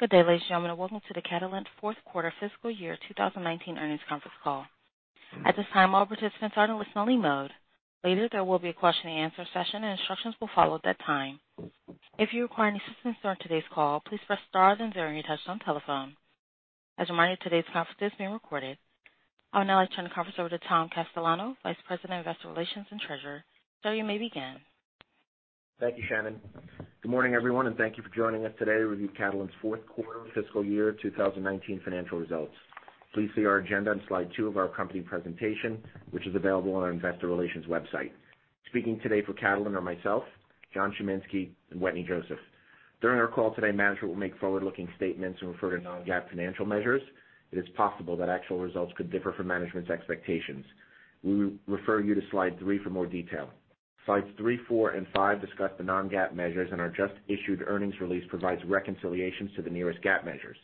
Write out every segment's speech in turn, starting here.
Good day, ladies and gentlemen. Welcome to the Catalent fourth quarter fiscal year 2019 earnings conference call. At this time, all participants are in a listen-only mode. Later, there will be a question-and-answer session, and instructions will follow at that time. If you require any assistance during today's call, please press star, then zero on your touchtone telephone. As a reminder, today's conference is being recorded. I would now like to turn the conference over to Tom Castellano, Vice President of Investor Relations and Treasurer. Sir, you may begin. Thank you, Shannon. Good morning, everyone, and thank you for joining us today to review Catalent's fourth quarter fiscal year 2019 financial results. Please see our agenda on slide two of our company presentation, which is available on our Investor Relations website. Speaking today for Catalent are myself, John Chiminski, and Wetteny Joseph. During our call today, management will make forward-looking statements and refer to non-GAAP financial measures. It is possible that actual results could differ from management's expectations. We refer you to slide three for more detail. Slides three, four, and five discuss the non-GAAP measures, and our just-issued earnings release provides reconciliations to the nearest GAAP measures.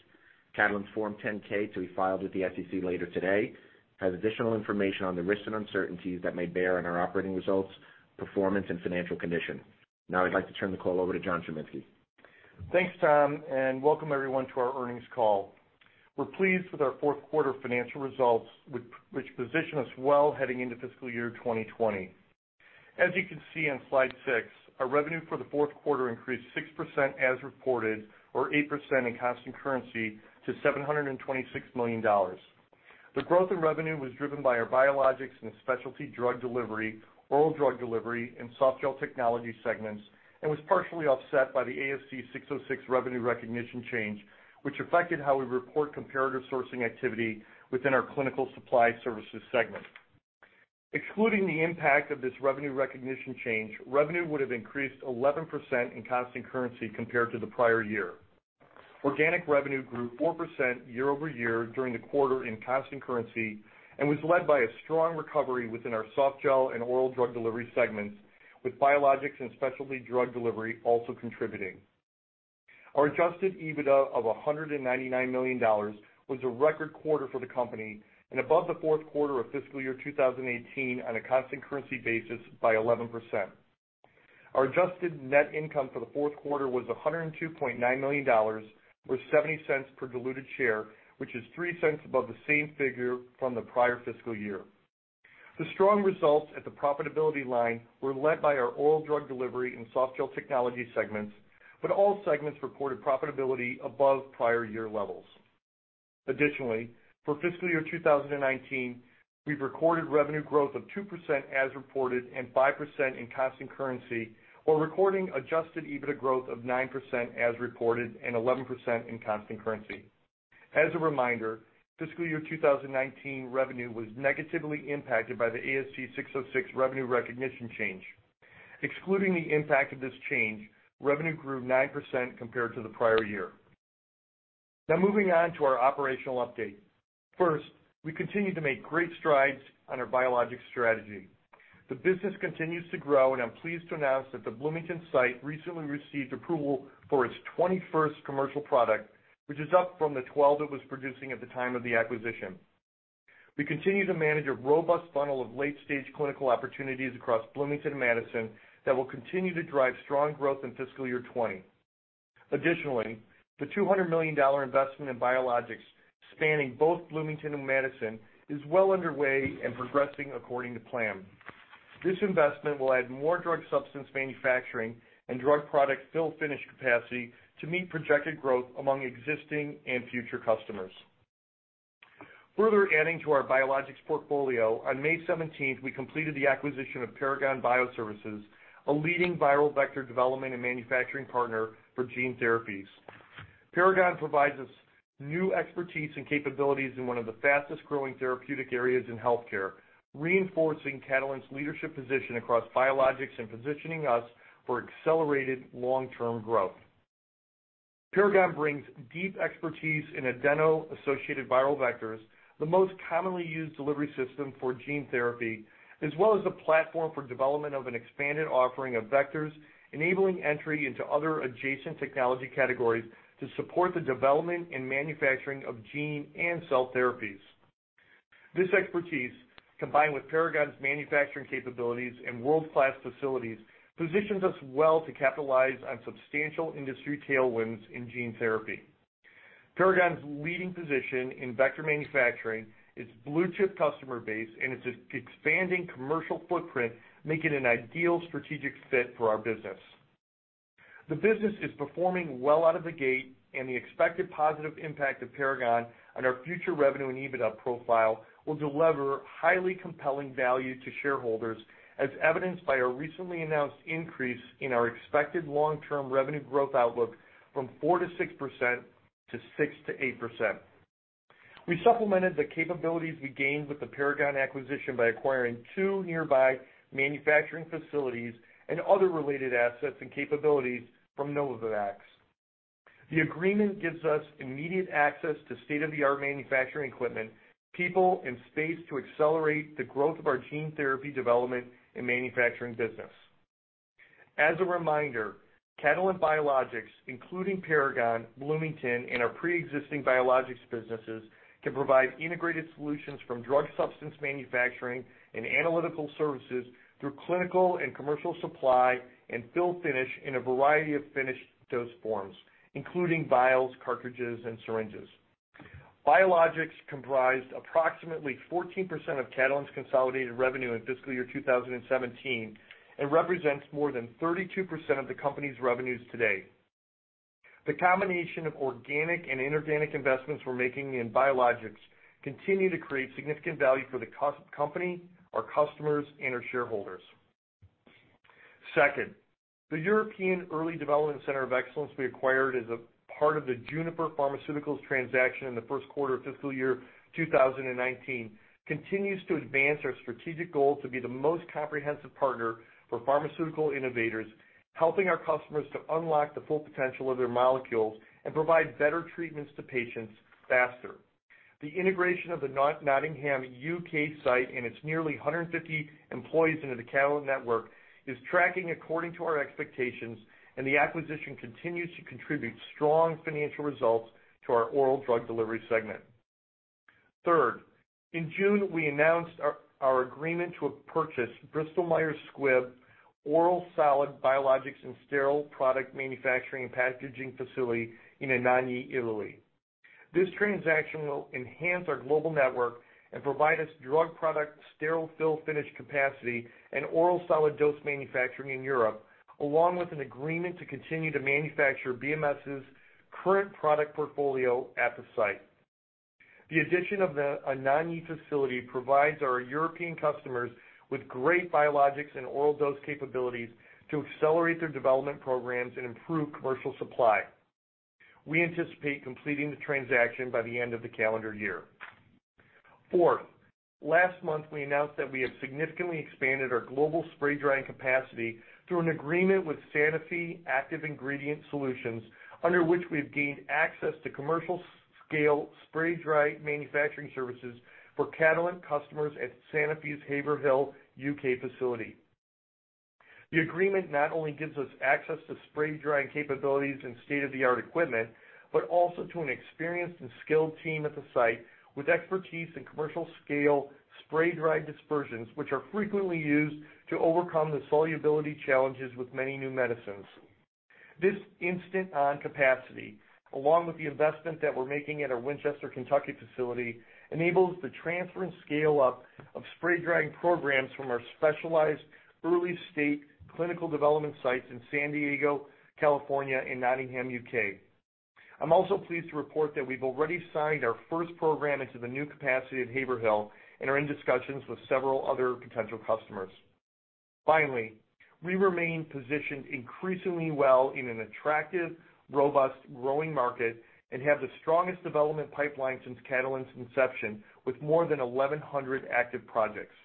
Catalent's Form 10-K, to be filed with the SEC later today, has additional information on the risks and uncertainties that may bear on our operating results, performance, and financial condition. Now, I'd like to turn the call over to John Chiminski. Thanks, Tom, and welcome everyone to our earnings call. We're pleased with our fourth quarter financial results, which position us well heading into fiscal year 2020. As you can see on slide six, our revenue for the fourth quarter increased 6% as reported, or 8% in constant currency, to $726 million. The growth in revenue was driven by our Biologics and Specialty Drug Delivery, Oral Drug Delivery, and Softgel Technologies segments, and was partially offset by the ASC 606 revenue recognition change, which affected how we report comparator sourcing activity within our Clinical Supply Services segment. Excluding the impact of this revenue recognition change, revenue would have increased 11% in constant currency compared to the prior year. Organic revenue grew 4% year over year during the quarter in constant currency and was led by a strong recovery within our Softgel and Oral Drug Delivery segments, with Biologics and Specialty Drug Delivery also contributing. Our adjusted EBITDA of $199 million was a record quarter for the company and above the fourth quarter of fiscal year 2018 on a constant currency basis by 11%. Our adjusted net income for the fourth quarter was $102.9 million, or $0.70 per diluted share, which is $0.03 above the same figure from the prior fiscal year. The strong results at the profitability line were led by our Oral Drug Delivery and Softgel Technologies segments, but all segments reported profitability above prior year levels. Additionally, for fiscal year 2019, we've recorded revenue growth of 2% as reported and 5% in constant currency, while recording adjusted EBITDA growth of 9% as reported and 11% in constant currency. As a reminder, fiscal year 2019 revenue was negatively impacted by the ASC 606 revenue recognition change. Excluding the impact of this change, revenue grew 9% compared to the prior year. Now, moving on to our operational update. First, we continue to make great strides on our biologics strategy. The business continues to grow, and I'm pleased to announce that the Bloomington site recently received approval for its 21st commercial product, which is up from the 12 it was producing at the time of the acquisition. We continue to manage a robust funnel of late-stage clinical opportunities across Bloomington and Madison that will continue to drive strong growth in fiscal year 2020. Additionally, the $200 million investment in biologics spanning both Bloomington and Madison is well underway and progressing according to plan. This investment will add more drug substance manufacturing and drug product fill-finish capacity to meet projected growth among existing and future customers. Further adding to our biologics portfolio, on May 17th, we completed the acquisition of Paragon Bioservices, a leading viral vector development and manufacturing partner for gene therapies. Paragon provides us new expertise and capabilities in one of the fastest-growing therapeutic areas in healthcare, reinforcing Catalent's leadership position across biologics and positioning us for accelerated long-term growth. Paragon brings deep expertise in adeno-associated viral vectors, the most commonly used delivery system for gene therapy, as well as a platform for development of an expanded offering of vectors, enabling entry into other adjacent technology categories to support the development and manufacturing of gene and cell therapies. This expertise, combined with Paragon's manufacturing capabilities and world-class facilities, positions us well to capitalize on substantial industry tailwinds in gene therapy. Paragon's leading position in vector manufacturing and blue-chip customer base, and its expanding commercial footprint makes it an ideal strategic fit for our business. The business is performing well out of the gate, and the expected positive impact of Paragon on our future revenue and EBITDA profile will deliver highly compelling value to shareholders, as evidenced by our recently announced increase in our expected long-term revenue growth outlook from 4-6% to 6-8%. We supplemented the capabilities we gained with the Paragon acquisition by acquiring two nearby manufacturing facilities and other related assets and capabilities from Novavax. The agreement gives us immediate access to state-of-the-art manufacturing equipment, people, and space to accelerate the growth of our gene therapy development and manufacturing business. As a reminder, Catalent Biologics, including Paragon, Bloomington, and our pre-existing biologics businesses, can provide integrated solutions from drug substance manufacturing and analytical services through clinical and commercial supply and fill-finish in a variety of finished dose forms, including vials, cartridges, and syringes. Biologics comprised approximately 14% of Catalent's consolidated revenue in fiscal year 2017 and represents more than 32% of the company's revenues today. The combination of organic and inorganic investments we're making in biologics continues to create significant value for the company, our customers, and our shareholders. Second, the European Early Development Center of Excellence we acquired as a part of the Juniper Pharmaceuticals transaction in the first quarter of fiscal year 2019 continues to advance our strategic goal to be the most comprehensive partner for pharmaceutical innovators, helping our customers to unlock the full potential of their molecules and provide better treatments to patients faster. The integration of the Nottingham U.K. site and its nearly 150 employees into the Catalent network is tracking according to our expectations, and the acquisition continues to contribute strong financial results to our Oral Drug Delivery segment. Third, in June, we announced our agreement to purchase Bristol-Myers Squibb oral solid, biologics, and sterile product manufacturing and packaging facility in Anagni, Italy. This transaction will enhance our global network and provide us drug product sterile fill-finish capacity and oral solid dose manufacturing in Europe, along with an agreement to continue to manufacture BMS's current product portfolio at the site. The addition of the Anagni facility provides our European customers with great biologics and oral dose capabilities to accelerate their development programs and improve commercial supply. We anticipate completing the transaction by the end of the calendar year. Fourth, last month, we announced that we have significantly expanded our global spray drying capacity through an agreement with Sanofi Active Ingredient Solutions, under which we have gained access to commercial-scale spray dry manufacturing services for Catalent customers at Sanofi's Haverhill U.K. facility. The agreement not only gives us access to spray drying capabilities and state-of-the-art equipment, but also to an experienced and skilled team at the site with expertise in commercial-scale spray dry dispersions, which are frequently used to overcome the solubility challenges with many new medicines. This instant-on capacity, along with the investment that we're making at our Winchester, Kentucky facility, enables the transfer and scale-up of spray drying programs from our specialized early-stage clinical development sites in San Diego, California, and Nottingham, U.K. I'm also pleased to report that we've already signed our first program into the new capacity at Haverhill and are in discussions with several other potential customers. Finally, we remain positioned increasingly well in an attractive, robust, growing market and have the strongest development pipeline since Catalent's inception, with more than 1,100 active projects.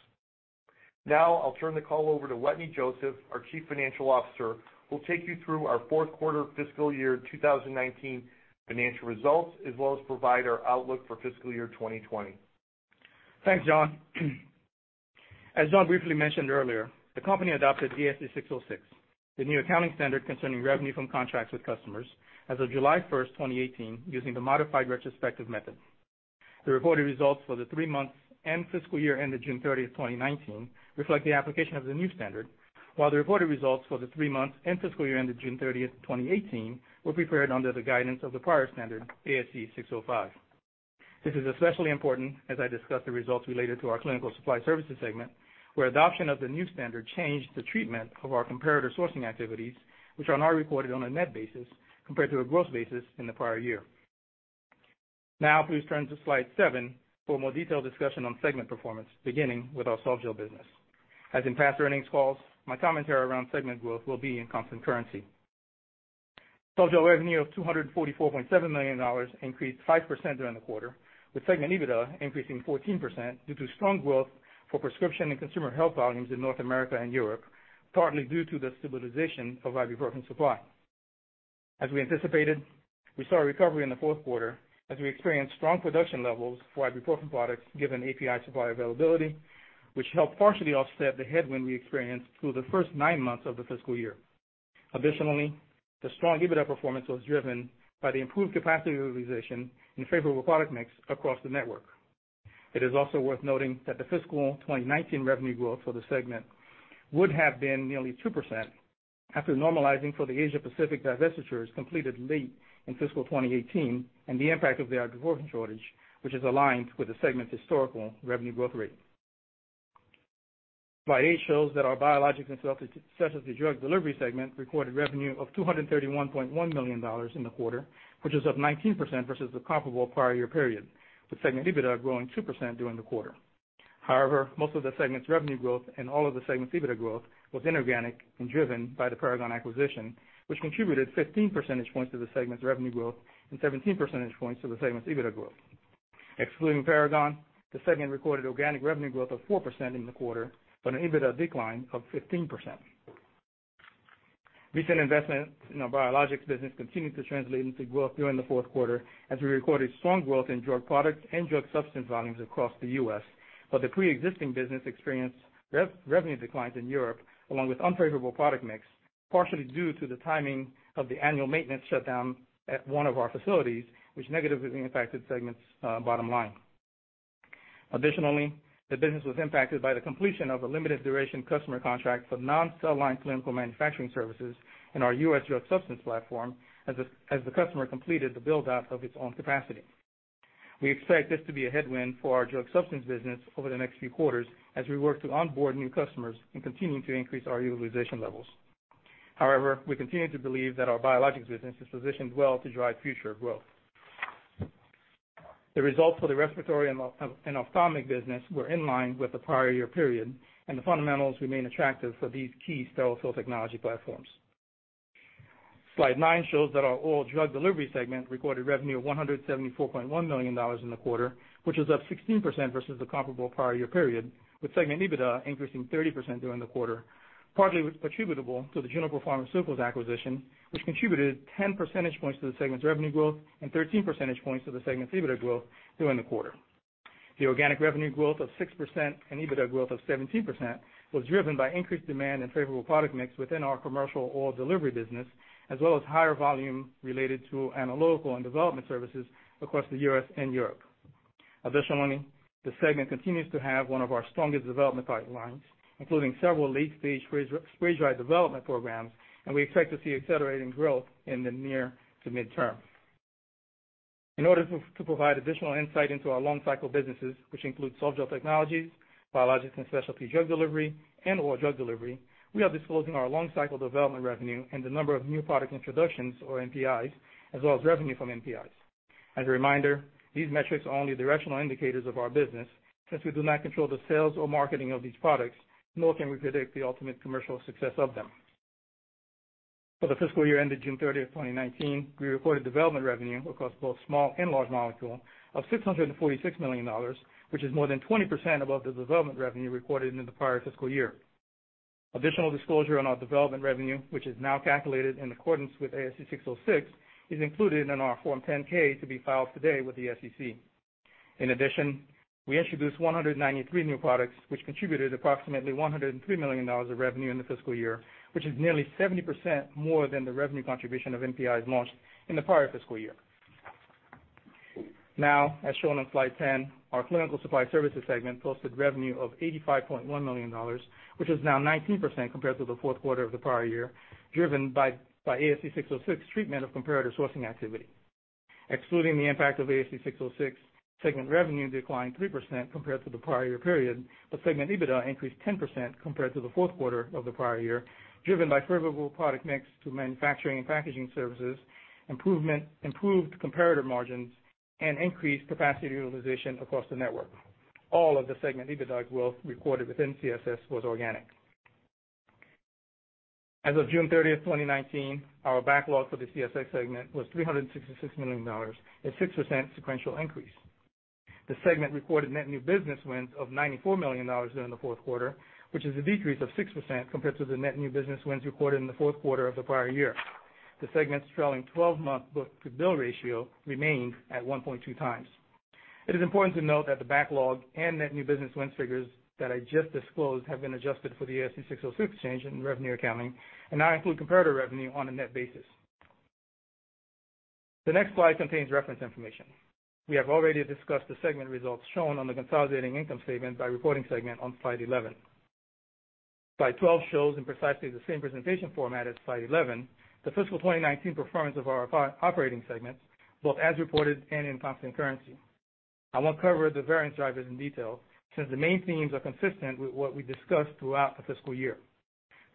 Now, I'll turn the call over to Wetteny Joseph, our Chief Financial Officer, who will take you through our fourth quarter fiscal year 2019 financial results, as well as provide our outlook for fiscal year 2020. Thanks, John. As John briefly mentioned earlier, the company adopted the ASC 606, the new accounting standard concerning revenue from contracts with customers, as of July 1st, 2018, using the modified retrospective method. The reported results for the three months and fiscal year ended June 30th, 2019, reflect the application of the new standard, while the reported results for the three months and fiscal year ended June 30th, 2018, were prepared under the guidance of the prior standard, ASC 605. This is especially important as I discuss the results related to our Clinical Supply Services segment, where adoption of the new standard changed the treatment of our comparator sourcing activities, which are now reported on a net basis compared to a gross basis in the prior year. Now, please turn to slide seven for more detailed discussion on segment performance, beginning with our softgel business. As in past earnings calls, my commentary around segment growth will be in constant currency. Softgel revenue of $244.7 million increased 5% during the quarter, with segment EBITDA increasing 14% due to strong growth for prescription and consumer health volumes in North America and Europe, partly due to the stabilization of ibuprofen supply. As we anticipated, we saw a recovery in the fourth quarter as we experienced strong production levels for ibuprofen products given API supply availability, which helped partially offset the headwind we experienced through the first nine months of the fiscal year. Additionally, the strong EBITDA performance was driven by the improved capacity utilization in favor of a product mix across the network. It is also worth noting that the fiscal 2019 revenue growth for the segment would have been nearly 2% after normalizing for the Asia-Pacific divestitures completed late in fiscal 2018 and the impact of the ibuprofen shortage, which is aligned with the segment's historical revenue growth rate. Slide eight shows that our Biologics and Specialty Drug Delivery segment recorded revenue of $231.1 million in the quarter, which is up 19% versus the comparable prior year period, with segment EBITDA growing 2% during the quarter. However, most of the segment's revenue growth and all of the segment's EBITDA growth was inorganic and driven by the Paragon acquisition, which contributed 15 percentage points to the segment's revenue growth and 17 percentage points to the segment's EBITDA growth. Excluding Paragon, the segment recorded organic revenue growth of 4% in the quarter, but an EBITDA decline of 15%. Recent investment in our biologics business continued to translate into growth during the fourth quarter as we recorded strong growth in drug products and drug substance volumes across the U.S., but the pre-existing business experienced revenue declines in Europe, along with unfavorable product mix, partially due to the timing of the annual maintenance shutdown at one of our facilities, which negatively impacted segment's bottom line. Additionally, the business was impacted by the completion of a limited duration customer contract for non-cell line clinical manufacturing services in our U.S. drug substance platform as the customer completed the build-out of its own capacity. We expect this to be a headwind for our drug substance business over the next few quarters as we work to onboard new customers and continue to increase our utilization levels. However, we continue to believe that our biologics business is positioned well to drive future growth. The results for the respiratory and ophthalmic business were in line with the prior year period, and the fundamentals remain attractive for these key sterile fill technology platforms. Slide nine shows that our Oral Drug Delivery segment recorded revenue of $174.1 million in the quarter, which is up 16% versus the comparable prior year period, with segment EBITDA increasing 30% during the quarter, partly attributable to the Juniper Pharmaceuticals acquisition, which contributed 10 percentage points to the segment's revenue growth and 13 percentage points to the segment's EBITDA growth during the quarter. The organic revenue growth of 6% and EBITDA growth of 17% was driven by increased demand and favorable product mix within our commercial oral delivery business, as well as higher volume related to analytical and development services across the U.S. and Europe. Additionally, the segment continues to have one of our strongest development pipelines, including several late-stage spray drying development programs, and we expect to see accelerating growth in the near to midterm. In order to provide additional insight into our long-cycle businesses, which include Softgel Technologies, Biologics and Specialty Drug Delivery, and Oral Drug Delivery, we are disclosing our long-cycle development revenue and the number of new product introductions, or NPIs, as well as revenue from NPIs. As a reminder, these metrics are only directional indicators of our business since we do not control the sales or marketing of these products, nor can we predict the ultimate commercial success of them. For the fiscal year ended June 30th, 2019, we recorded development revenue across both small and large molecules of $646 million, which is more than 20% above the development revenue recorded in the prior fiscal year. Additional disclosure on our development revenue, which is now calculated in accordance with ASC 606, is included in our Form 10-K to be filed today with the SEC. In addition, we introduced 193 new products, which contributed approximately $103 million of revenue in the fiscal year, which is nearly 70% more than the revenue contribution of NPIs launched in the prior fiscal year. Now, as shown on slide 10, our Clinical Supply Services segment posted revenue of $85.1 million, which is now 19% compared to the fourth quarter of the prior year, driven by ASC 606 treatment of comparator sourcing activity. Excluding the impact of ASC 606, segment revenue declined 3% compared to the prior year period, but segment EBITDA increased 10% compared to the fourth quarter of the prior year, driven by favorable product mix to manufacturing and packaging services, improved comparator margins, and increased capacity utilization across the network. All of the segment EBITDA growth recorded within CSS was organic. As of June 30th, 2019, our backlog for the CSS segment was $366 million, a 6% sequential increase. The segment recorded net new business wins of $94 million during the fourth quarter, which is a decrease of 6% compared to the net new business wins recorded in the fourth quarter of the prior year. The segment's trailing 12-month book-to-bill ratio remained at 1.2 times. It is important to note that the backlog and net new business wins figures that I just disclosed have been adjusted for the ASC 606 change in revenue accounting and now include comparator revenue on a net basis. The next slide contains reference information. We have already discussed the segment results shown on the consolidated income statement by reporting segment on slide 11. Slide 12 shows, in precisely the same presentation format as slide 11, the fiscal 2019 performance of our operating segments, both as reported and in constant currency. I won't cover the variance drivers in detail since the main themes are consistent with what we discussed throughout the fiscal year.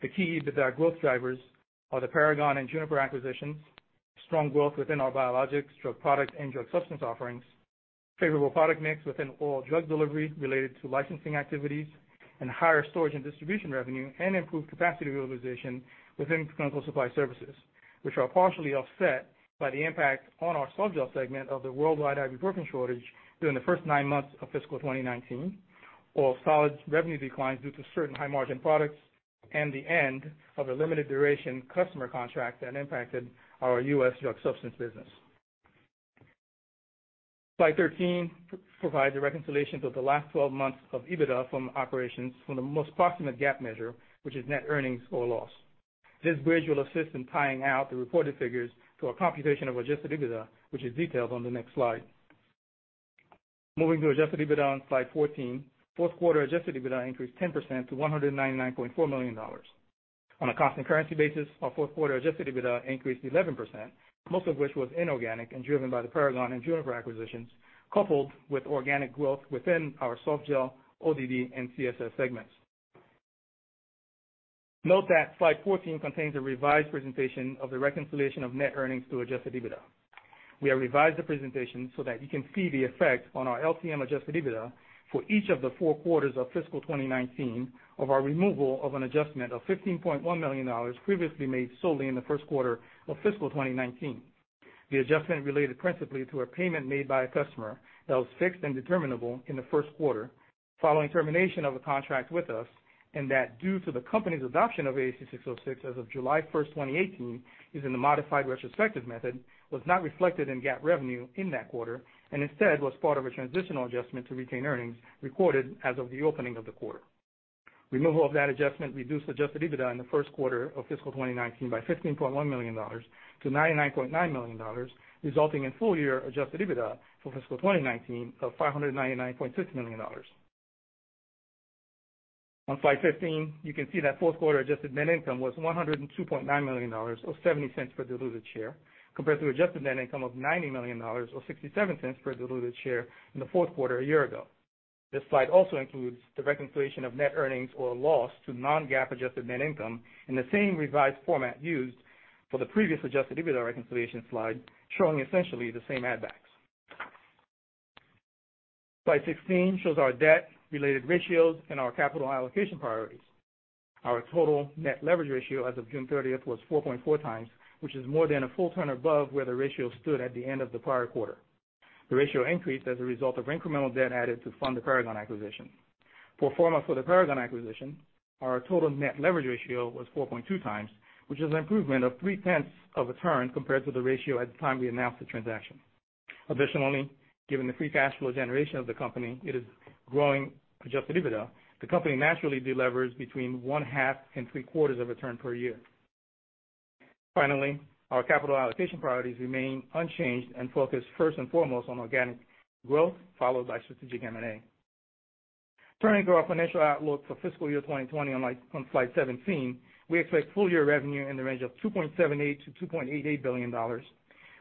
The key EBITDA growth drivers are the Paragon and Juniper acquisitions, strong growth within our biologics, drug products, and drug substance offerings, favorable product mix within Oral Drug Delivery related to licensing activities, and higher storage and distribution revenue, and improved capacity utilization within Clinical Supply Services, which are partially offset by the impact on our softgel segment of the worldwide ibuprofen shortage during the first nine months of fiscal 2019, and solid revenue declines due to certain high-margin products, and the end of a limited duration customer contract that impacted our U.S. drug substance business. Slide 13 provides a reconciliation of the last 12 months of EBITDA from operations from the most proximate GAAP measure, which is net earnings or loss. This bridge will assist in tying out the reported figures to a computation of adjusted EBITDA, which is detailed on the next slide. Moving to adjusted EBITDA on slide 14, fourth quarter adjusted EBITDA increased 10% to $199.4 million. On a constant currency basis, our fourth quarter adjusted EBITDA increased 11%, most of which was inorganic and driven by the Paragon and Juniper acquisitions, coupled with organic growth within our softgel, OSD, and CSS segments. Note that slide 14 contains a revised presentation of the reconciliation of net earnings to adjusted EBITDA. We have revised the presentation so that you can see the effect on our LTM adjusted EBITDA for each of the four quarters of fiscal 2019 of our removal of an adjustment of $15.1 million previously made solely in the first quarter of fiscal 2019. The adjustment related principally to a payment made by a customer that was fixed and determinable in the first quarter following termination of a contract with us, and that due to the company's adoption of ASC 606 as of July 1st, 2018, is in the modified retrospective method, was not reflected in GAAP revenue in that quarter, and instead was part of a transitional adjustment to retained earnings recorded as of the opening of the quarter. Removal of that adjustment reduced adjusted EBITDA in the first quarter of fiscal 2019 by $15.1 million to $99.9 million, resulting in full-year adjusted EBITDA for fiscal 2019 of $599.6 million. On slide 15, you can see that fourth quarter adjusted net income was $102.9 million or $0.70 per diluted share, compared to adjusted net income of $90 million or $0.67 per diluted share in the fourth quarter a year ago. This slide also includes the reconciliation of net earnings or loss to non-GAAP adjusted net income in the same revised format used for the previous adjusted EBITDA reconciliation slide, showing essentially the same add-backs. Slide 16 shows our debt-related ratios and our capital allocation priorities. Our total net leverage ratio as of June 30th was 4.4 times, which is more than a full turn above where the ratio stood at the end of the prior quarter. The ratio increased as a result of incremental debt added to fund the Paragon acquisition. Pro forma for the Paragon acquisition, our total net leverage ratio was 4.2 times, which is an improvement of 3/10 of a turn compared to the ratio at the time we announced the transaction. Additionally, given the free cash flow generation of the company, it is growing adjusted EBITDA, the company naturally delivers between one-half and three-quarters of a turn per year. Finally, our capital allocation priorities remain unchanged and focus first and foremost on organic growth, followed by strategic M&A. Turning to our financial outlook for fiscal year 2020 on slide 17, we expect full-year revenue in the range of $2.78-$2.88 billion.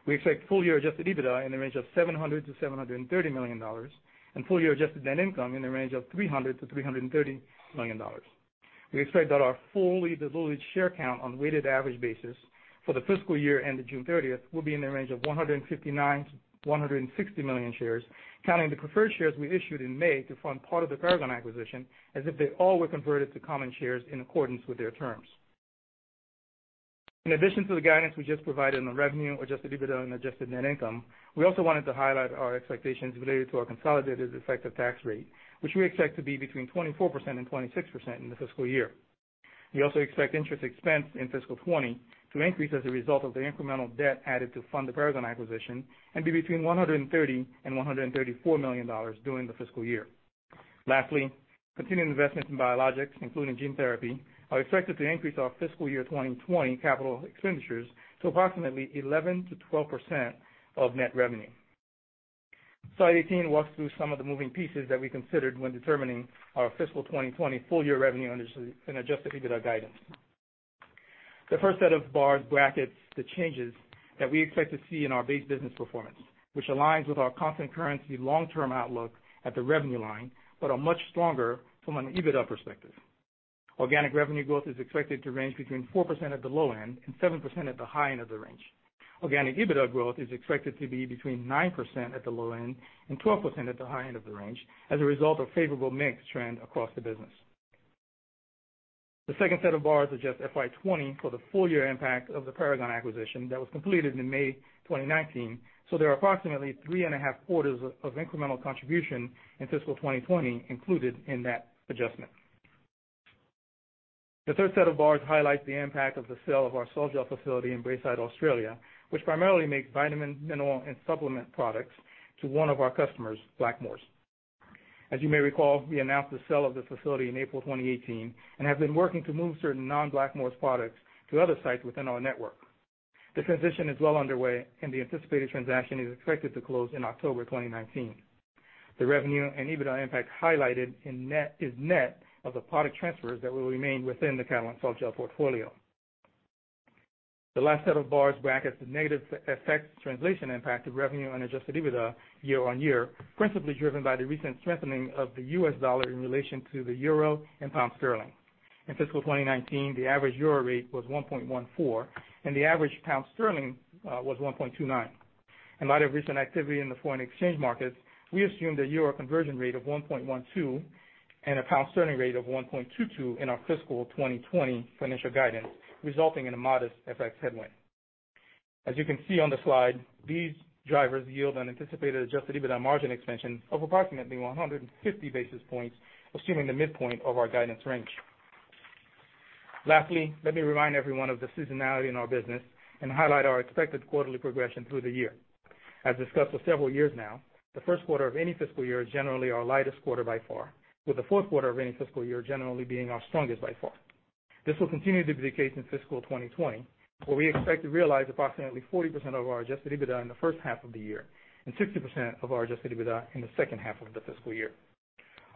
We expect full-year adjusted EBITDA in the range of $700-$730 million, and full-year adjusted net income in the range of $300-$330 million. We expect that our fully diluted share count on weighted average basis for the fiscal year ended June 30th will be in the range of 159-160 million shares, counting the preferred shares we issued in May to fund part of the Paragon acquisition as if they all were converted to common shares in accordance with their terms. In addition to the guidance we just provided on revenue, adjusted EBITDA, and adjusted net income, we also wanted to highlight our expectations related to our consolidated effective tax rate, which we expect to be between 24%-26% in the fiscal year. We also expect interest expense in fiscal 2020 to increase as a result of the incremental debt added to fund the Paragon acquisition and be between $130-$134 million during the fiscal year. Lastly, continued investments in biologics, including gene therapy, are expected to increase our fiscal year 2020 capital expenditures to approximately 11%-12% of net revenue. Slide 18 walks through some of the moving pieces that we considered when determining our fiscal 2020 full-year revenue under adjusted EBITDA guidance. The first set of bars, brackets, the changes that we expect to see in our base business performance, which aligns with our constant currency long-term outlook at the revenue line, but are much stronger from an EBITDA perspective. Organic revenue growth is expected to range between 4% at the low end and 7% at the high end of the range. Organic EBITDA growth is expected to be between 9% at the low end and 12% at the high end of the range as a result of favorable mix trend across the business. The second set of bars suggests FY20 for the full-year impact of the Paragon acquisition that was completed in May 2019, so there are approximately three and a half quarters of incremental contribution in fiscal 2020 included in that adjustment. The third set of bars highlights the impact of the sale of our softgel facility in Braeside, Australia, which primarily makes vitamin, mineral, and supplement products to one of our customers, Blackmores. As you may recall, we announced the sale of the facility in April 2018 and have been working to move certain non-Blackmores products to other sites within our network. The transition is well underway, and the anticipated transaction is expected to close in October 2019. The revenue and EBITDA impact highlighted is net of the product transfers that will remain within the Catalent softgel portfolio. The last set of bars, brackets, the negative FX translation impact of revenue on adjusted EBITDA year on year, principally driven by the recent strengthening of the U.S. dollar in relation to the euro and pound sterling. In fiscal 2019, the average euro rate was 1.14, and the average pound sterling was 1.29. In light of recent activity in the foreign exchange markets, we assumed a euro conversion rate of 1.12 and a pound sterling rate of 1.22 in our fiscal 2020 financial guidance, resulting in a modest FX headwind. As you can see on the slide, these drivers yield an anticipated adjusted EBITDA margin expansion of approximately 150 basis points, assuming the midpoint of our guidance range. Lastly, let me remind everyone of the seasonality in our business and highlight our expected quarterly progression through the year. As discussed for several years now, the first quarter of any fiscal year is generally our lightest quarter by far, with the fourth quarter of any fiscal year generally being our strongest by far. This will continue to be the case in fiscal 2020, where we expect to realize approximately 40% of our adjusted EBITDA in the first half of the year and 60% of our adjusted EBITDA in the second half of the fiscal year.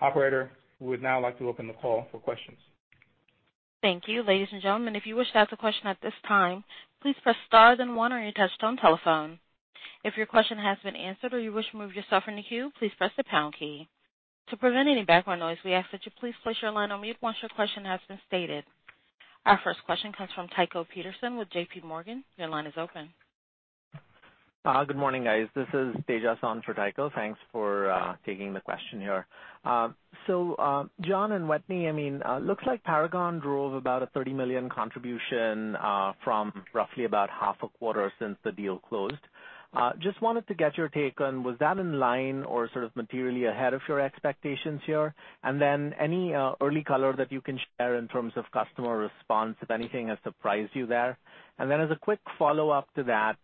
Operator, we would now like to open the call for questions. Thank you, ladies and gentlemen. If you wish to ask a question at this time, please press star then one on your touch-tone telephone. If your question has been answered or you wish to move yourself in the queue, please press the pound key. To prevent any background noise, we ask that you please place your line on mute once your question has been stated. Our first question comes from Tycho Peterson with J.P. Morgan. Your line is open. Good morning, guys. This is Tejas Savant for Tycho. Thanks for taking the question here. So, John and Wetteny, I mean, looks like Paragon drove about a $30 million contribution from roughly about half a quarter since the deal closed. Just wanted to get your take on, was that in line or sort of materially ahead of your expectations here? And then any early color that you can share in terms of customer response, if anything has surprised you there? Then as a quick follow-up to that,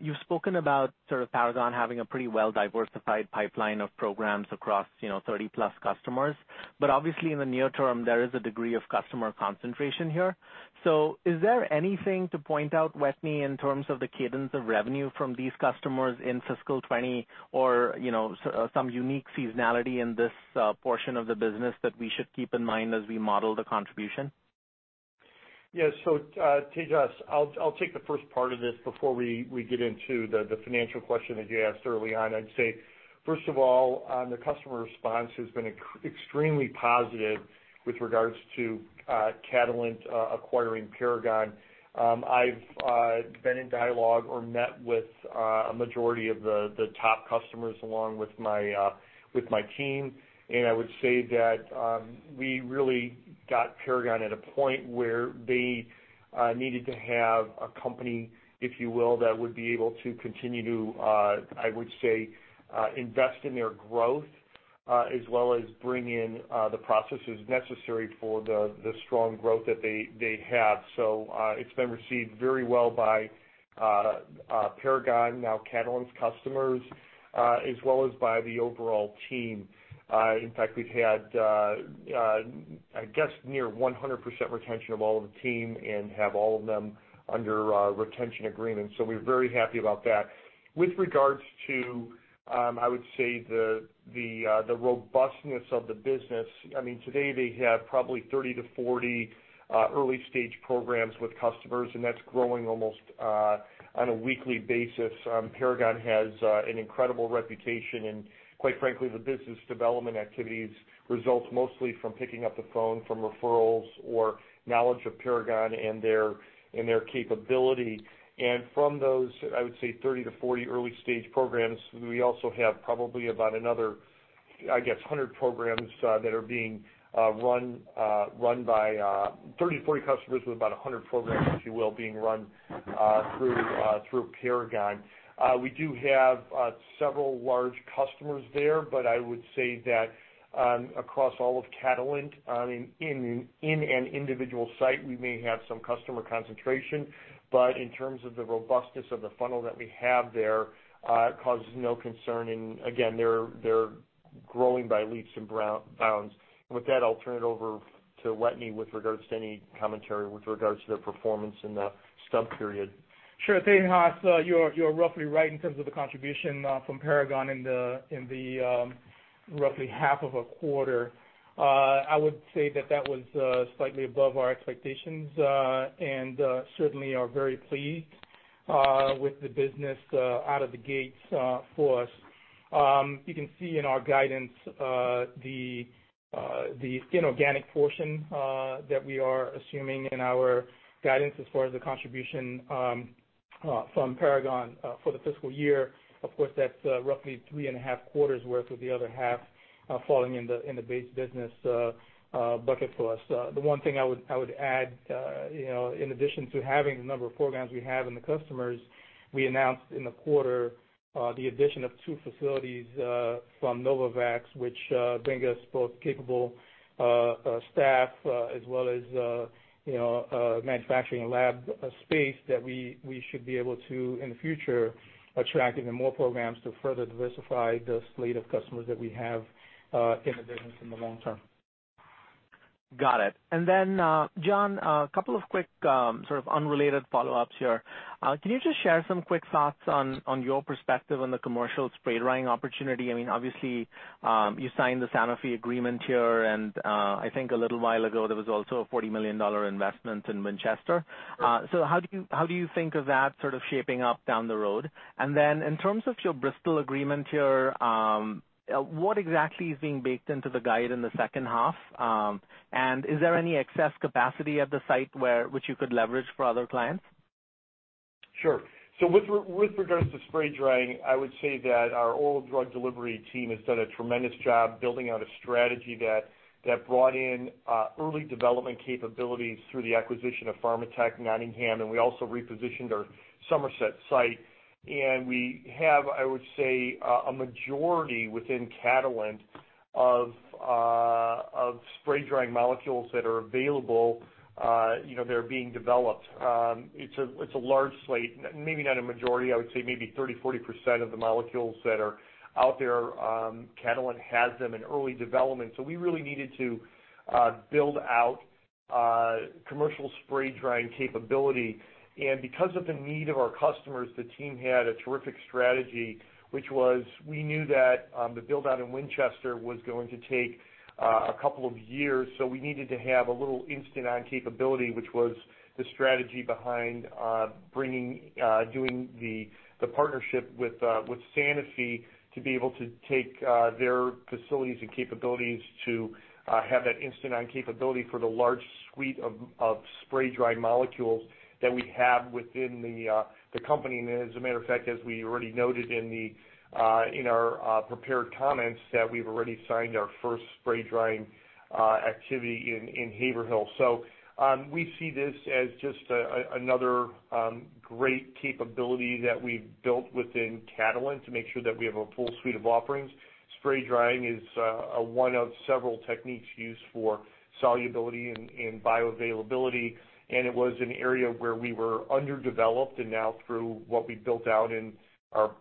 you've spoken about sort of Paragon having a pretty well-diversified pipeline of programs across 30-plus customers, but obviously in the near term, there is a degree of customer concentration here. So is there anything to point out, Wetteny, in terms of the cadence of revenue from these customers in fiscal 2020 or some unique seasonality in this portion of the business that we should keep in mind as we model the contribution? Yeah. Tejas, I'll take the first part of this before we get into the financial question that you asked early on. I'd say, first of all, on the customer response, it's been extremely positive with regards to Catalent acquiring Paragon. I've been in dialog or met with a majority of the top customers along with my team, and I would say that we really got Paragon at a point where they needed to have a company, if you will, that would be able to continue to, I would say, invest in their growth as well as bring in the processes necessary for the strong growth that they have. So it's been received very well by Paragon, now Catalent's customers, as well as by the overall team. In fact, we've had, I guess, near 100% retention of all of the team and have all of them under retention agreements. So we're very happy about that. With regards to, I would say, the robustness of the business, I mean, today they have probably 30-40 early-stage programs with customers, and that's growing almost on a weekly basis. Paragon has an incredible reputation, and quite frankly, the business development activities result mostly from picking up the phone from referrals or knowledge of Paragon and their capability. From those, I would say, 30-40 early-stage programs, we also have probably about another, I guess, 100 programs that are being run by 30-40 customers with about 100 programs, if you will, being run through Paragon. We do have several large customers there, but I would say that across all of Catalent, I mean, in an individual site, we may have some customer concentration, but in terms of the robustness of the funnel that we have there, it causes no concern. Again, they're growing by leaps and bounds. With that, I'll turn it over to Wetteny with regards to any commentary with regards to their performance in the stub period. Sure. Tejas, you're roughly right in terms of the contribution from Paragon in the roughly half of a quarter. I would say that that was slightly above our expectations, and certainly are very pleased with the business out of the gates for us. You can see in our guidance the inorganic portion that we are assuming in our guidance as far as the contribution from Paragon for the fiscal year. Of course, that's roughly three and a half quarters' worth of the other half falling in the base business bucket for us. The one thing I would add, in addition to having the number of programs we have and the customers, we announced in the quarter the addition of two facilities from Novavax, which bring us both capable staff as well as manufacturing and lab space that we should be able to, in the future, attract even more programs to further diversify the slate of customers that we have in the business in the long term. Got it. And then, John, a couple of quick sort of unrelated follow-ups here. Can you just share some quick thoughts on your perspective on the commercial spray drying opportunity? I mean, obviously, you signed the Sanofi agreement here, and I think a little while ago, there was also a $40 million investment in Winchester. So how do you think of that sort of shaping up down the road? And then in terms of your Bristol agreement here, what exactly is being baked into the guide in the second half? And is there any excess capacity at the site which you could leverage for other clients? Sure. So with regards to spray drying, I would say that our Oral Drug Delivery team has done a tremendous job building out a strategy that brought in early development capabilities through the acquisition of Pharmatek Nottingham, and we also repositioned our Somerset site. And we have, I would say, a majority within Catalent of spray drying molecules that are available. They're being developed. It's a large slate. Maybe not a majority. I would say maybe 30%-40% of the molecules that are out there, Catalent has them in early development. So we really needed to build out commercial spray drying capability. Because of the need of our customers, the team had a terrific strategy, which was we knew that the build-out in Winchester was going to take a couple of years, so we needed to have a little instant-on capability, which was the strategy behind doing the partnership with Sanofi to be able to take their facilities and capabilities to have that instant-on capability for the large suite of spray dry molecules that we have within the company. As a matter of fact, as we already noted in our prepared comments, that we've already signed our first spray drying activity in Haverhill. We see this as just another great capability that we've built within Catalent to make sure that we have a full suite of offerings. Spray drying is one of several techniques used for solubility and bioavailability, and it was an area where we were underdeveloped. And now, through what we built out in our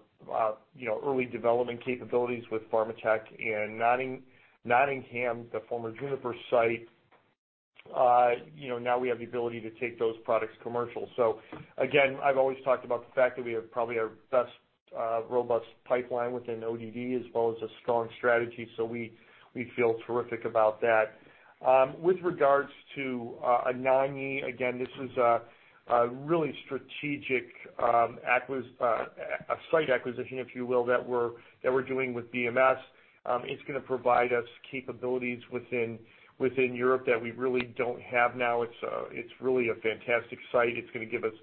early development capabilities with Pharmatek and Nottingham, the former Juniper site, now we have the ability to take those products commercial. So again, I've always talked about the fact that we have probably our best robust pipeline within OSD as well as a strong strategy, so we feel terrific about that. With regards to Anagni, again, this is a really strategic site acquisition, if you will, that we're doing with BMS. It's going to provide us capabilities within Europe that we really don't have now. It's really a fantastic site. It's going to give us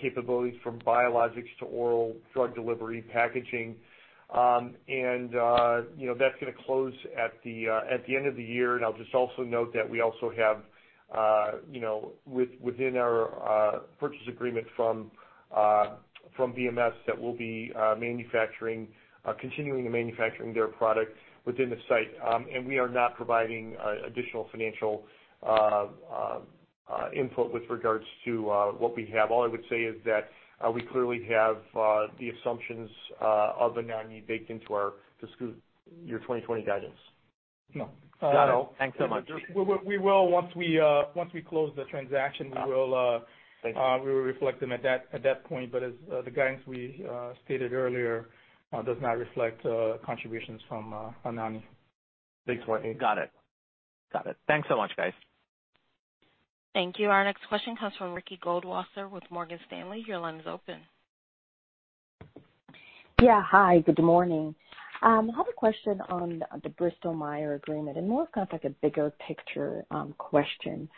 capabilities from biologics to Oral Drug Delivery packaging. And that's going to close at the end of the year. And I'll just also note that we also have, within our purchase agreement from BMS, that we'll be continuing to manufacture their product within the site. And we are not providing additional financial input with regards to what we have. All I would say is that we clearly have the assumptions of Anagni baked into our year 2020 guidance. No. Got it. Thanks so much. We will, once we close the transaction, we will reflect them at that point. But the guidance we stated earlier does not reflect contributions from Anagni. Thanks, Wetteny. Got it. Got it. Thanks so much, guys. Thank you. Our next question comes from Ricky Goldwasser with Morgan Stanley. Your line is open. Yeah. Hi. Good morning. I have a question on the Bristol-Myers agreement, and more kind of like a bigger picture question.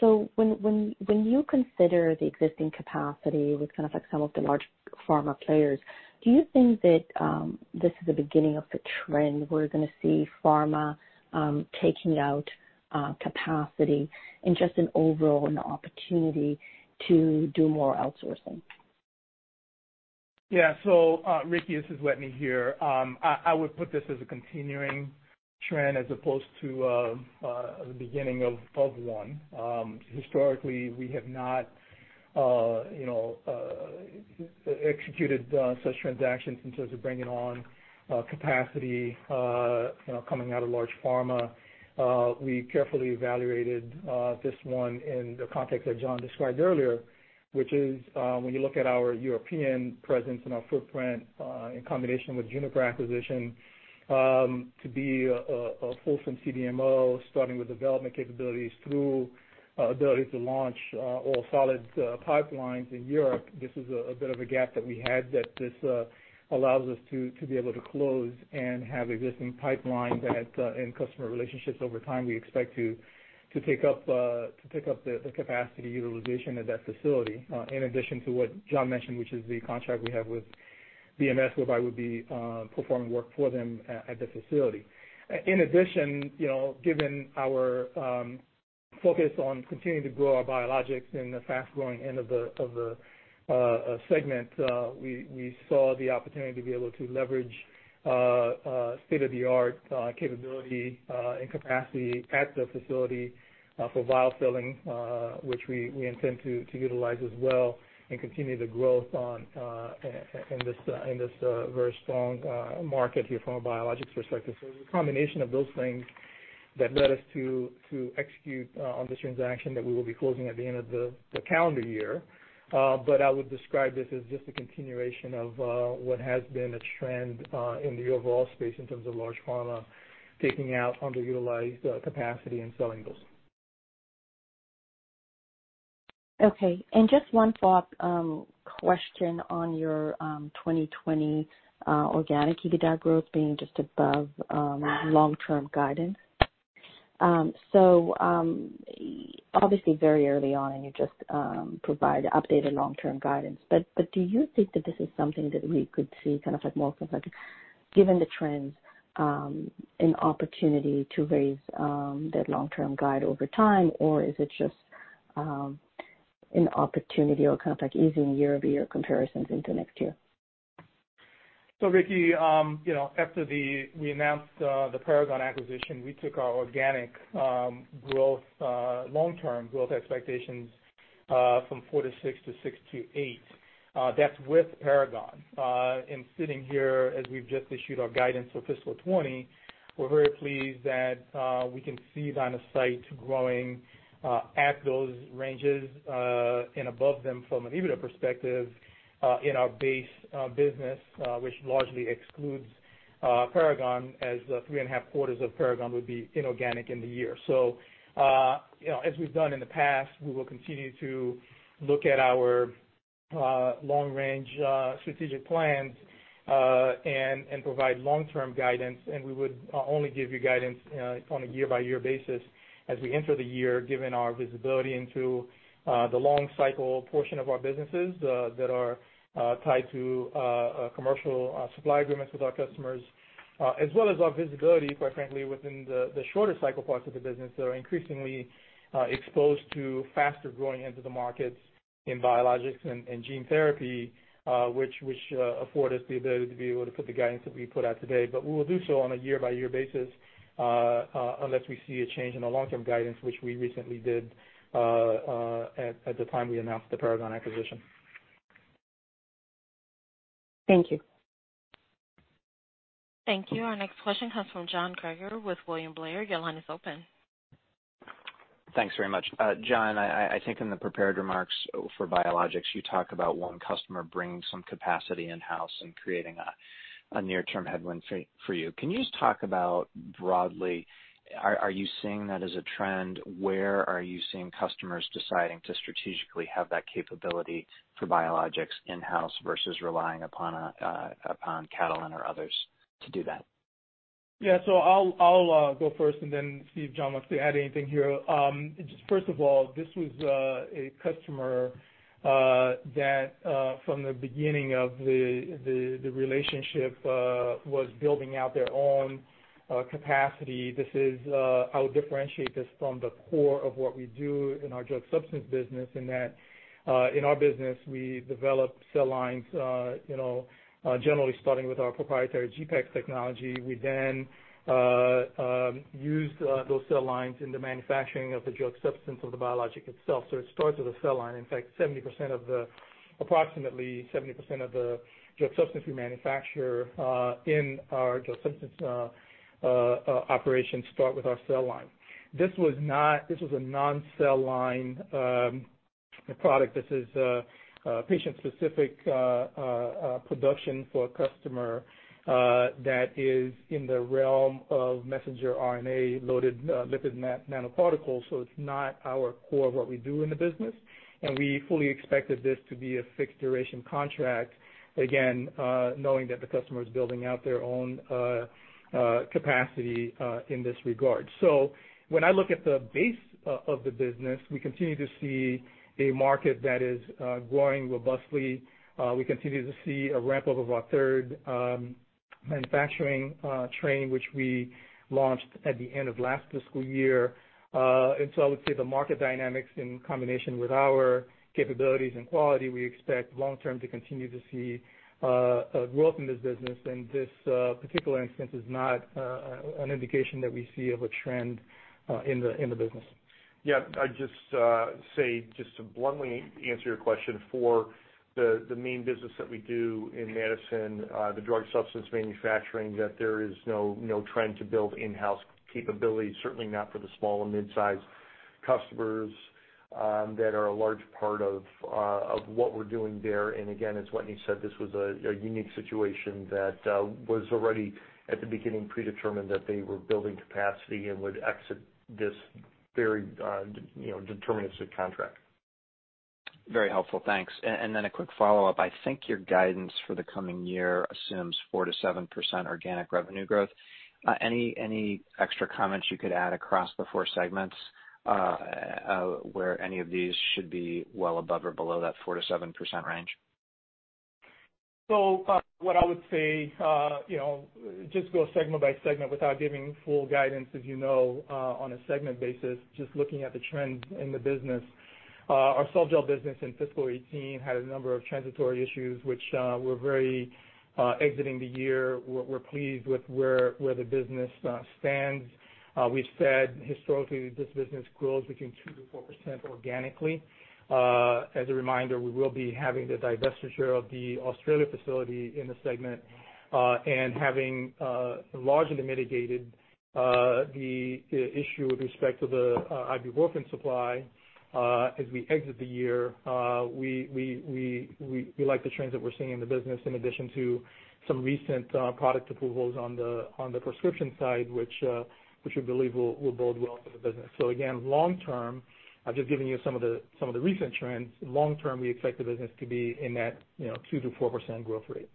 So when you consider the existing capacity with kind of like some of the large pharma players, do you think that this is the beginning of the trend where we're going to see pharma taking out capacity and just an overall opportunity to do more outsourcing? Yeah. So Ricky, this is Wetteny here. I would put this as a continuing trend as opposed to the beginning of one. Historically, we have not executed such transactions in terms of bringing on capacity coming out of large pharma. We carefully evaluated this one in the context that John described earlier, which is when you look at our European presence and our footprint in combination with Juniper acquisition to be a full-time CDMO, starting with development capabilities through ability to launch all solid pipelines in Europe. This is a bit of a gap that we had that this allows us to be able to close and have existing pipeline and customer relationships over time. We expect to take up the capacity utilization at that facility in addition to what John mentioned, which is the contract we have with BMS, whereby we'll be performing work for them at the facility. In addition, given our focus on continuing to grow our biologics in the fast-growing end of the segment, we saw the opportunity to be able to leverage state-of-the-art capability and capacity at the facility for vial filling, which we intend to utilize as well and continue the growth in this very strong market here from a biologics perspective. So it's a combination of those things that led us to execute on this transaction that we will be closing at the end of the calendar year. But I would describe this as just a continuation of what has been a trend in the overall space in terms of large pharma taking out underutilized capacity and selling those. Okay. And just one follow-up question on your 2020 organic EBITDA growth being just above long-term guidance. So obviously, very early on, and you just provide updated long-term guidance. But do you think that this is something that we could see kind of more given the trends in opportunity to raise that long-term guide over time, or is it just an opportunity or kind of like easing year-over-year comparisons into next year? So Ricky, after we announced the Paragon acquisition, we took our organic growth, long-term growth expectations from four to six to six to eight. That's with Paragon. Sitting here, as we've just issued our guidance for fiscal 2020, we're very pleased that we can see our site growing at those ranges and above them from an EBITDA perspective in our base business, which largely excludes Paragon, as three and a half quarters of Paragon would be inorganic in the year. As we've done in the past, we will continue to look at our long-range strategic plans and provide long-term guidance. And we would only give you guidance on a year-by-year basis as we enter the year, given our visibility into the long-cycle portion of our businesses that are tied to commercial supply agreements with our customers, as well as our visibility, quite frankly, within the shorter-cycle parts of the business that are increasingly exposed to faster growing into the markets in biologics and gene therapy, which afford us the ability to be able to put the guidance that we put out today. But we will do so on a year-by-year basis unless we see a change in our long-term guidance, which we recently did at the time we announced the Paragon acquisition. Thank you. Thank you. Our next question comes from John Kreger with William Blair. Your line is open. Thanks very much, John, I think in the prepared remarks for biologics, you talk about one customer bringing some capacity in-house and creating a near-term headwind for you. Can you just talk about broadly, are you seeing that as a trend? Where are you seeing customers deciding to strategically have that capability for biologics in-house versus relying upon Catalent or others to do that? Yeah. So I'll go first and then see if John wants to add anything here. First of all, this was a customer that, from the beginning of the relationship, was building out their own capacity. I would differentiate this from the core of what we do in our drug substance business in that, in our business, we develop cell lines, generally starting with our proprietary GPEx technology. We then used those cell lines in the manufacturing of the drug substance of the biologic itself. It starts with a cell line. In fact, approximately 70% of the drug substance we manufacture in our drug substance operations start with our cell line. This was a non-cell line product. This is patient-specific production for a customer that is in the realm of messenger RNA-loaded lipid nanoparticles. It's not our core of what we do in the business. And we fully expected this to be a fixed-duration contract, again, knowing that the customer is building out their own capacity in this regard. When I look at the base of the business, we continue to see a market that is growing robustly. We continue to see a ramp-up of our third manufacturing train, which we launched at the end of last fiscal year. And so I would say the market dynamics, in combination with our capabilities and quality, we expect long-term to continue to see growth in this business. And this particular instance is not an indication that we see of a trend in the business. Yeah. I'd just say, just to bluntly answer your question, for the main business that we do in medicine, the drug substance manufacturing, that there is no trend to build in-house capabilities, certainly not for the small and mid-sized customers that are a large part of what we're doing there. And again, as Wetteny said, this was a unique situation that was already at the beginning predetermined that they were building capacity and would exit this very deterministic contract. Very helpful. Thanks. And then a quick follow-up. I think your guidance for the coming year assumes 4%-7% organic revenue growth. Any extra comments you could add across the four segments where any of these should be well above or below that 4%-7% range? So what I would say, just go segment by segment without giving full guidance, as you know, on a segment basis, just looking at the trends in the business. Our softgel business in fiscal 2018 had a number of transitory issues, which we're very exiting the year. We're pleased with where the business stands. We've said, historically, this business grows between 2%-4% organically. As a reminder, we will be having the divestiture of the Australia facility in the segment and having largely mitigated the issue with respect to the ibuprofen supply as we exit the year. We like the trends that we're seeing in the business in addition to some recent product approvals on the prescription side, which we believe will bode well for the business. So again, long-term, I've just given you some of the recent trends. Long-term, we expect the business to be in that 2%-4% growth rate.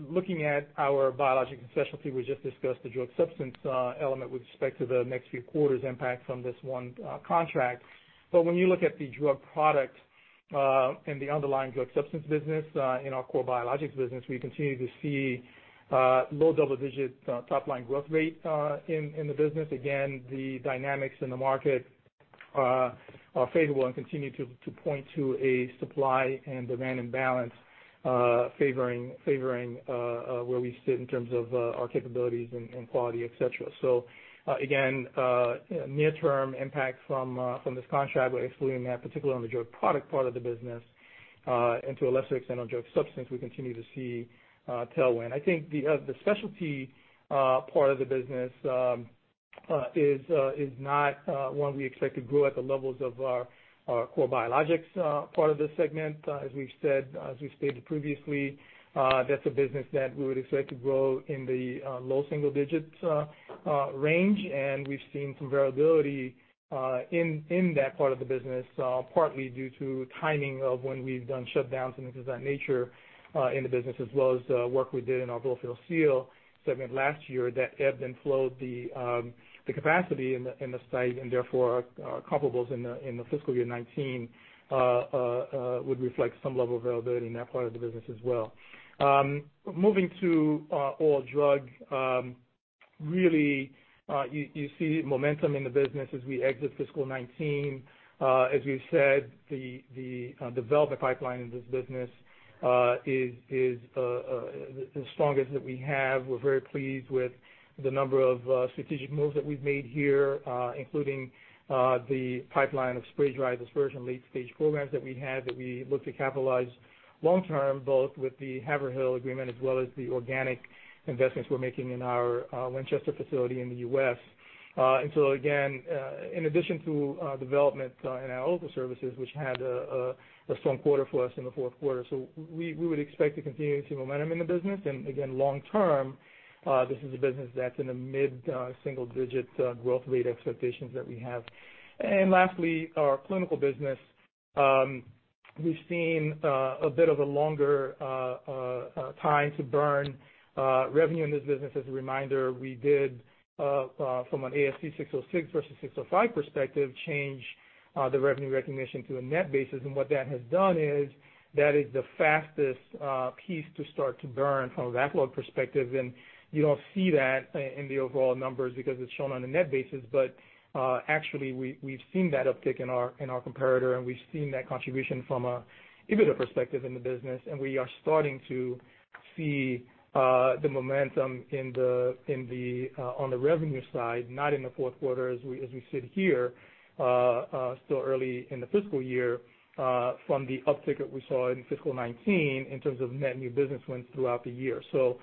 Looking at our biologics and specialty, we just discussed the drug substance element with respect to the next few quarters' impact from this one contract. But when you look at the drug product and the underlying drug substance business in our core biologics business, we continue to see low double-digit top-line growth rate in the business. Again, the dynamics in the market are favorable and continue to point to a supply and demand imbalance favoring where we sit in terms of our capabilities and quality, etc. So again, near-term impact from this contract, we're excluding that, particularly on the drug product part of the business. And to a lesser extent, on drug substance, we continue to see tailwind. I think the specialty part of the business is not one we expect to grow at the levels of our core biologics part of this segment. As we've stated previously, that's a business that we would expect to grow in the low single-digit range. And we've seen some variability in that part of the business, partly due to timing of when we've done shutdowns and things of that nature in the business, as well as the work we did in our blow-fill-seal segment last year that ebbed and flowed the capacity in the site. And therefore, our comparables in the fiscal year 2019 would reflect some level of variability in that part of the business as well. Moving to oral drug, really, you see momentum in the business as we exit fiscal 2019. As we've said, the development pipeline in this business is the strongest that we have. We're very pleased with the number of strategic moves that we've made here, including the pipeline of spray-dried dispersion late-stage programs that we have that we look to capitalize long-term, both with the Haverhill agreement as well as the organic investments we're making in our Winchester facility in the US. And so again, in addition to development in our oral services, which had a strong quarter for us in the fourth quarter. So we would expect to continue to see momentum in the business. And again, long-term, this is a business that's in the mid-single-digit growth rate expectations that we have. Lastly, our clinical business, we've seen a bit of a longer time to burn revenue in this business. As a reminder, we did, from an ASC 606 versus ASC 605 perspective, change the revenue recognition to a net basis. What that has done is that is the fastest piece to start to burn from a backlog perspective. You don't see that in the overall numbers because it's shown on a net basis. Actually, we've seen that uptick in our comparator, and we've seen that contribution from an EBITDA perspective in the business. We are starting to see the momentum on the revenue side, not in the fourth quarter as we sit here, still early in the fiscal year, from the uptick that we saw in fiscal 2019 in terms of net new business wins throughout the year. So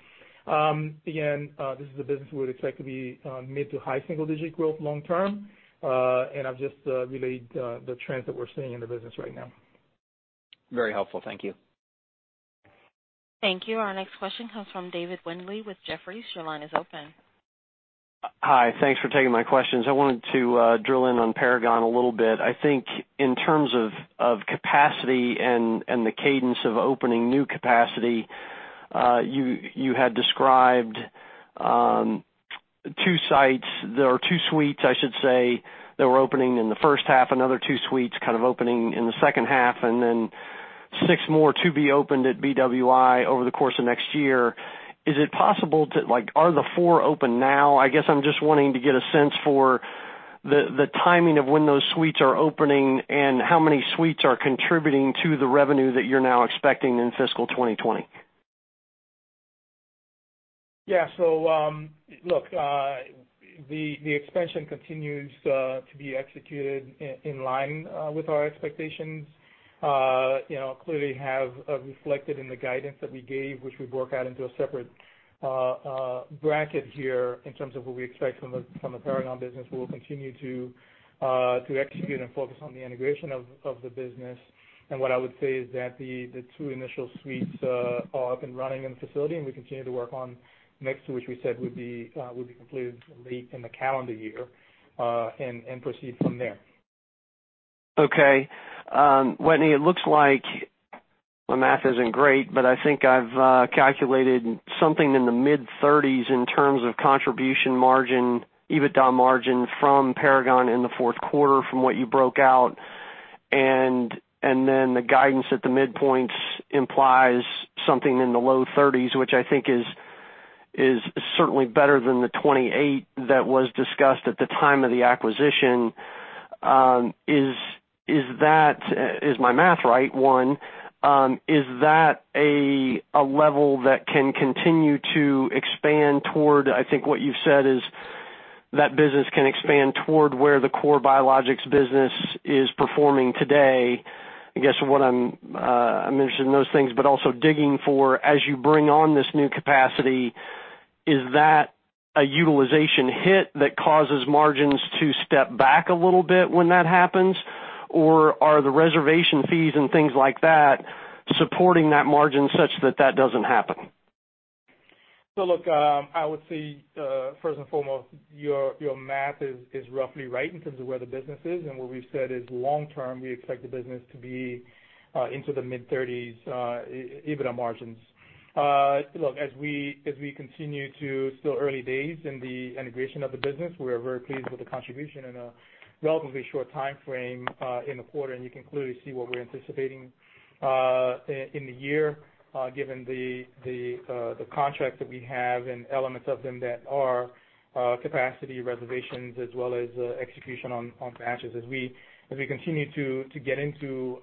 again, this is a business we would expect to be mid to high single-digit growth long-term. And I've just relayed the trends that we're seeing in the business right now. Very helpful. Thank you. Thank you. Our next question comes from David Windley with Jefferies. Your line is open. Hi. Thanks for taking my questions. I wanted to drill in on Paragon a little bit. I think in terms of capacity and the cadence of opening new capacity, you had described two sites. There are two suites, I should say, that were opening in the first half, another two suites kind of opening in the second half, and then six more to be opened at BWI over the course of next year. Are the four open now? I guess I'm just wanting to get a sense for the timing of when those suites are opening and how many suites are contributing to the revenue that you're now expecting in fiscal 2020. Yeah. So look, the expansion continues to be executed in line with our expectations. Clearly, have reflected in the guidance that we gave, which we broke out into a separate bracket here in terms of what we expect from the Paragon business. We will continue to execute and focus on the integration of the business. And what I would say is that the two initial suites are up and running in the facility, and we continue to work on the next two, which we said would be completed late in the calendar year and proceed from there. Okay. Wetteny, it looks like my math isn't great, but I think I've calculated something in the mid-30s in terms of contribution margin, EBITDA margin from Paragon in the fourth quarter from what you broke out. And then the guidance at the midpoints implies something in the low 30s, which I think is certainly better than the 28 that was discussed at the time of the acquisition. Is my math right? One, is that a level that can continue to expand toward—I think what you've said is that business can expand toward where the core biologics business is performing today. I guess what I'm interested in those things, but also digging for, as you bring on this new capacity, is that a utilization hit that causes margins to step back a little bit when that happens? Or are the reservation fees and things like that supporting that margin such that that doesn't happen? So look, I would say, first and foremost, your math is roughly right in terms of where the business is. And what we've said is, long-term, we expect the business to be into the mid-30s EBITDA margins. Look, as we continue to, still early days in the integration of the business, we are very pleased with the contribution in a relatively short timeframe in the quarter. And you can clearly see what we're anticipating in the year given the contract that we have and elements of them that are capacity reservations as well as execution on batches. As we continue to get into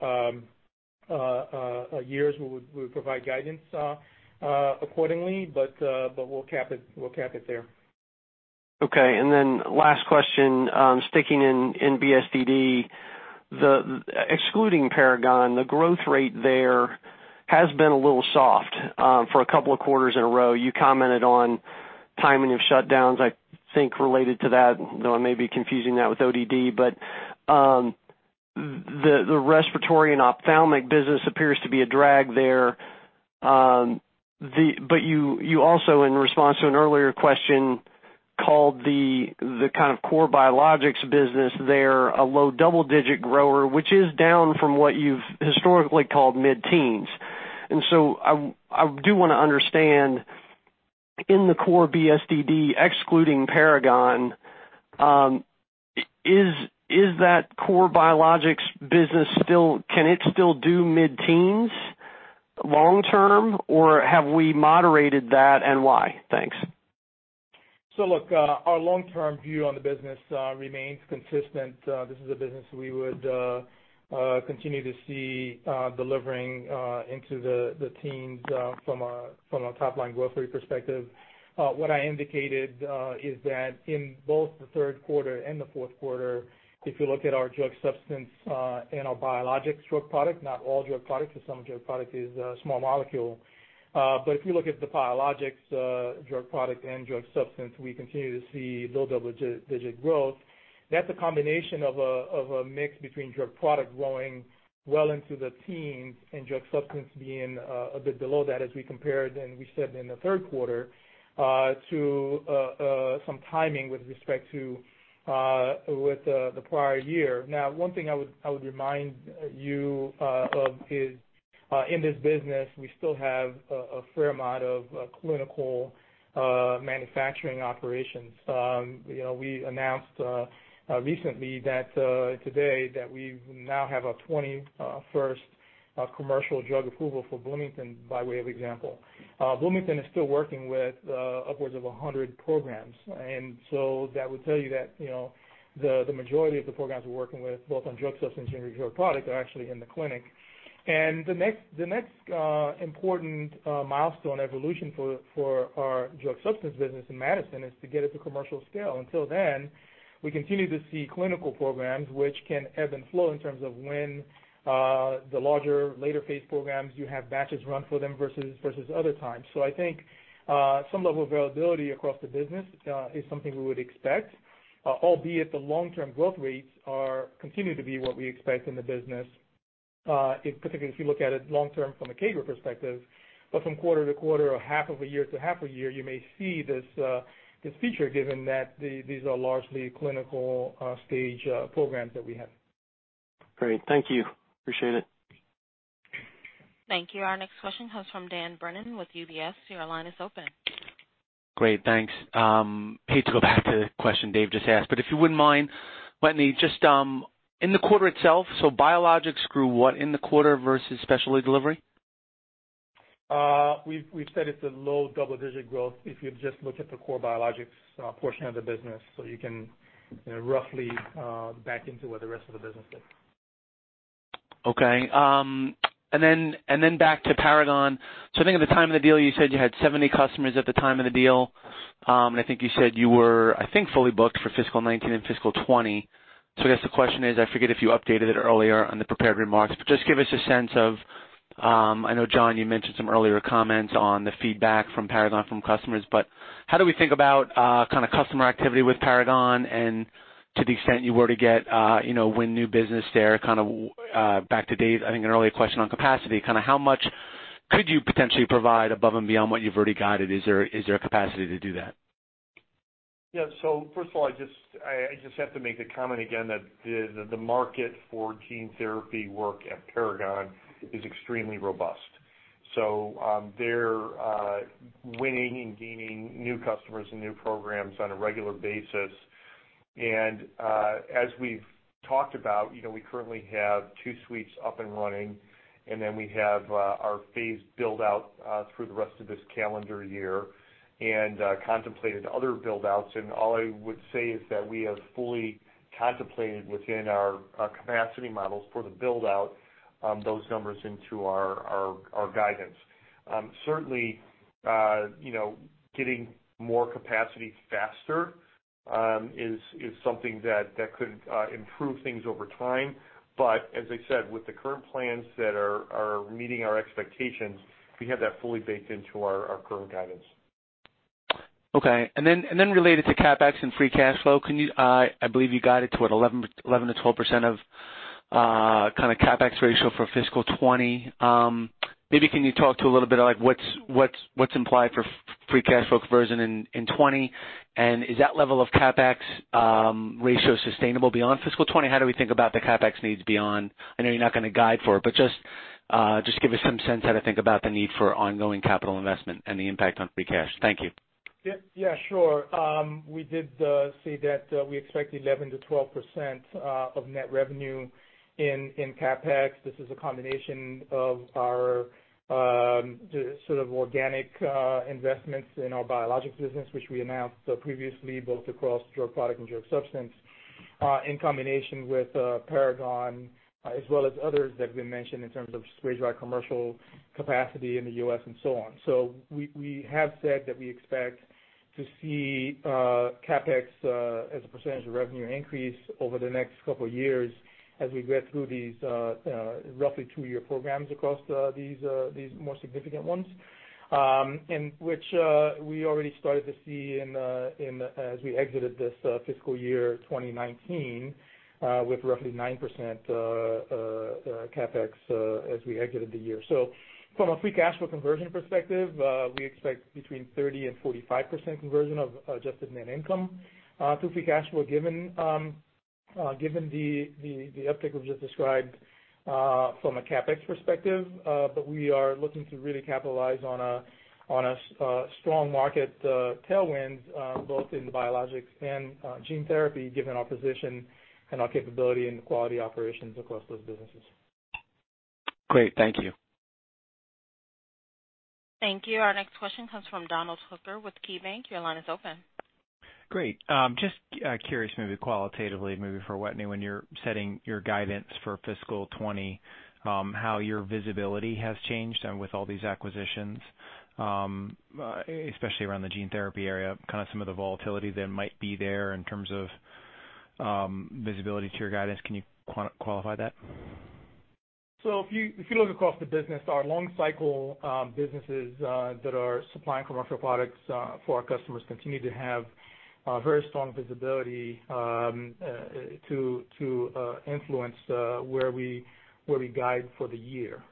years, we will provide guidance accordingly, but we'll cap it there. Okay. And then last question, sticking in BSDD, excluding Paragon, the growth rate there has been a little soft for a couple of quarters in a row. You commented on timing of shutdowns, I think related to that, though I may be confusing that with OSD. But the respiratory and ophthalmic business appears to be a drag there. But you also, in response to an earlier question, called the kind of core biologics business there a low double-digit grower, which is down from what you've historically called mid-teens. And so I do want to understand, in the core BSDD, excluding Paragon, is that core biologics business still, can it still do mid-teens long-term, or have we moderated that and why? Thanks. So look, our long-term view on the business remains consistent. This is a business we would continue to see delivering into the teens from a top-line growth rate perspective. What I indicated is that in both the third quarter and the fourth quarter, if you look at our drug substance and our biologics drug product, not all drug products because some drug product is a small molecule, but if you look at the biologics drug product and drug substance, we continue to see low double-digit growth. That's a combination of a mix between drug product growing well into the teens and drug substance being a bit below that as we compared, and we said in the third quarter, to some timing with respect to the prior year. Now, one thing I would remind you of is, in this business, we still have a fair amount of clinical manufacturing operations. We announced recently that today we now have our 21st commercial drug approval for Bloomington by way of example. Bloomington is still working with upwards of 100 programs. And so that would tell you that the majority of the programs we're working with, both on drug substance and drug product, are actually in the clinic. And the next important milestone evolution for our drug substance business in Madison is to get it to commercial scale. Until then, we continue to see clinical programs, which can ebb and flow in terms of when the larger later-phase programs you have batches run for them versus other times. So I think some level of variability across the business is something we would expect, albeit the long-term growth rates continue to be what we expect in the business, particularly if you look at it long-term from a CAGR perspective. But from quarter to quarter or half of a year to half a year, you may see this feature given that these are largely clinical stage programs that we have. Great. Thank you. Appreciate it. Thank you. Our next question comes from Dan Brennan with UBS. Your line is open. Great. Thanks. Glad to go back to the question Dave just asked. But if you wouldn't mind, Wetteny, just in the quarter itself, so biologics grew what in the quarter versus specialty delivery? We've said it's a low double-digit growth if you just look at the core biologics portion of the business. So you can roughly back into what the rest of the business is. Okay. And then back to Paragon. So I think at the time of the deal, you said you had 70 customers at the time of the deal. And I think you said you were, I think, fully booked for fiscal 2019 and fiscal 2020. So I guess the question is. I forget if you updated it earlier on the prepared remarks, but just give us a sense of. I know, John, you mentioned some earlier comments on the feedback from Paragon from customers. But how do we think about kind of customer activity with Paragon and, to the extent you were to get win new business there, kind of back to date, I think an earlier question on capacity, kind of how much could you potentially provide above and beyond what you've already guided? Is there a capacity to do that? Yeah. So first of all, I just have to make the comment again that the market for gene therapy work at Paragon is extremely robust. So they're winning and gaining new customers and new programs on a regular basis. As we've talked about, we currently have two suites up and running, and then we have our phase build-out through the rest of this calendar year and contemplated other build-outs. All I would say is that we have fully contemplated within our capacity models for the build-out those numbers into our guidance. Certainly, getting more capacity faster is something that could improve things over time. But as I said, with the current plans that are meeting our expectations, we have that fully baked into our current guidance. Okay. And then related to CapEx and free cash flow, I believe you guided to an 11%-12% kind of CapEx ratio for fiscal 2020. Maybe can you talk to a little bit of what's implied for free cash flow conversion in 2020? And is that level of CapEx ratio sustainable beyond fiscal 2020? How do we think about the CapEx needs beyond? I know you're not going to guide for it, but just give us some sense how to think about the need for ongoing capital investment and the impact on free cash. Thank you. Yeah. Sure. We did say that we expect 11%-12% of net revenue in CapEx. This is a combination of our sort of organic investments in our biologics business, which we announced previously, both across drug product and drug substance, in combination with Paragon as well as others that we mentioned in terms of spray-dry commercial capacity in the U.S. and so on. So we have said that we expect to see CapEx as a percentage of revenue increase over the next couple of years as we get through these roughly two-year programs across these more significant ones, which we already started to see as we exited this fiscal year 2019 with roughly 9% CapEx as we exited the year. So from a free cash flow conversion perspective, we expect between 30%-45% conversion of adjusted net income to free cash flow given the uptick we've just described from a CapEx perspective. But we are looking to really capitalize on a strong market tailwind, both in biologics and gene therapy, given our position and our capability and quality operations across those businesses. Great. Thank you. Thank you. Our next question comes from Donald Hooker with KeyBanc. Your line is open. Great. Just curious, maybe qualitatively, maybe for Wetteny, when you're setting your guidance for fiscal 2020, how your visibility has changed with all these acquisitions, especially around the gene therapy area, kind of some of the volatility that might be there in terms of visibility to your guidance. Can you qualify that? So if you look across the business, our long-cycle businesses that are supplying commercial products for our customers continue to have very strong visibility to influence where we guide for the year.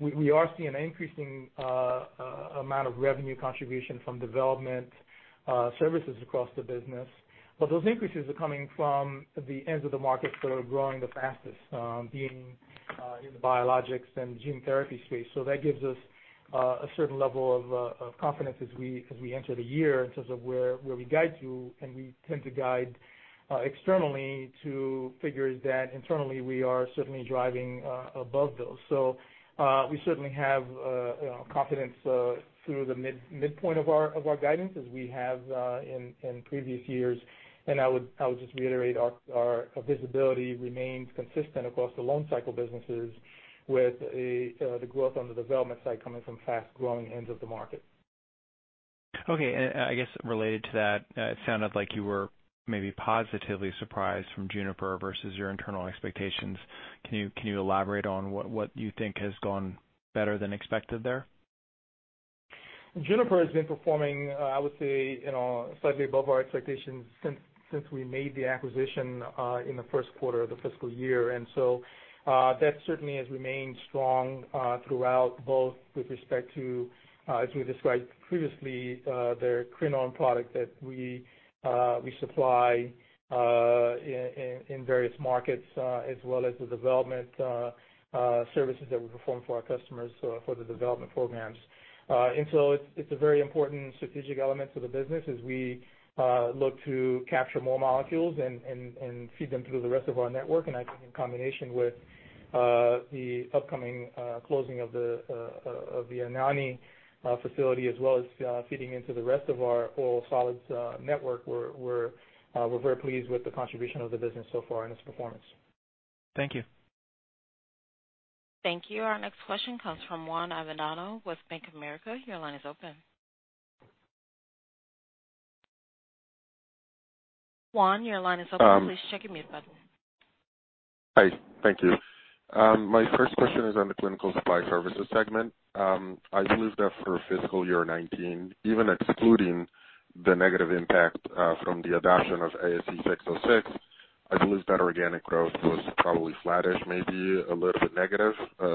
We are seeing an increasing amount of revenue contribution from development services across the business. But those increases are coming from the ends of the markets that are growing the fastest, being in the biologics and gene therapy space. So that gives us a certain level of confidence as we enter the year in terms of where we guide to. And we tend to guide externally to figures that internally we are certainly driving above those. So we certainly have confidence through the midpoint of our guidance as we have in previous years. And I would just reiterate our visibility remains consistent across the long-cycle businesses with the growth on the development side coming from fast-growing ends of the market. Okay. And I guess related to that, it sounded like you were maybe positively surprised from Juniper versus your internal expectations. Can you elaborate on what you think has gone better than expected there? Juniper has been performing, I would say, slightly above our expectations since we made the acquisition in the first quarter of the fiscal year. That certainly has remained strong throughout, both with respect to, as we described previously, their Crinone product that we supply in various markets, as well as the development services that we perform for our customers for the development programs. It's a very important strategic element to the business as we look to capture more molecules and feed them through the rest of our network. I think in combination with the upcoming closing of the Anagni facility as well as feeding into the rest of our oral solids network, we're very pleased with the contribution of the business so far and its performance. Thank you. Thank you. Our next question comes from Juan Avendano with Bank of America. Your line is open. Juan, your line is open. Please check your mute button. Hi. Thank you. My first question is on the Clinical Supply Services segment. I believe that for fiscal year 2019, even excluding the negative impact from the adoption of ASC 606, I believe that organic growth was probably flattish, maybe a little bit negative,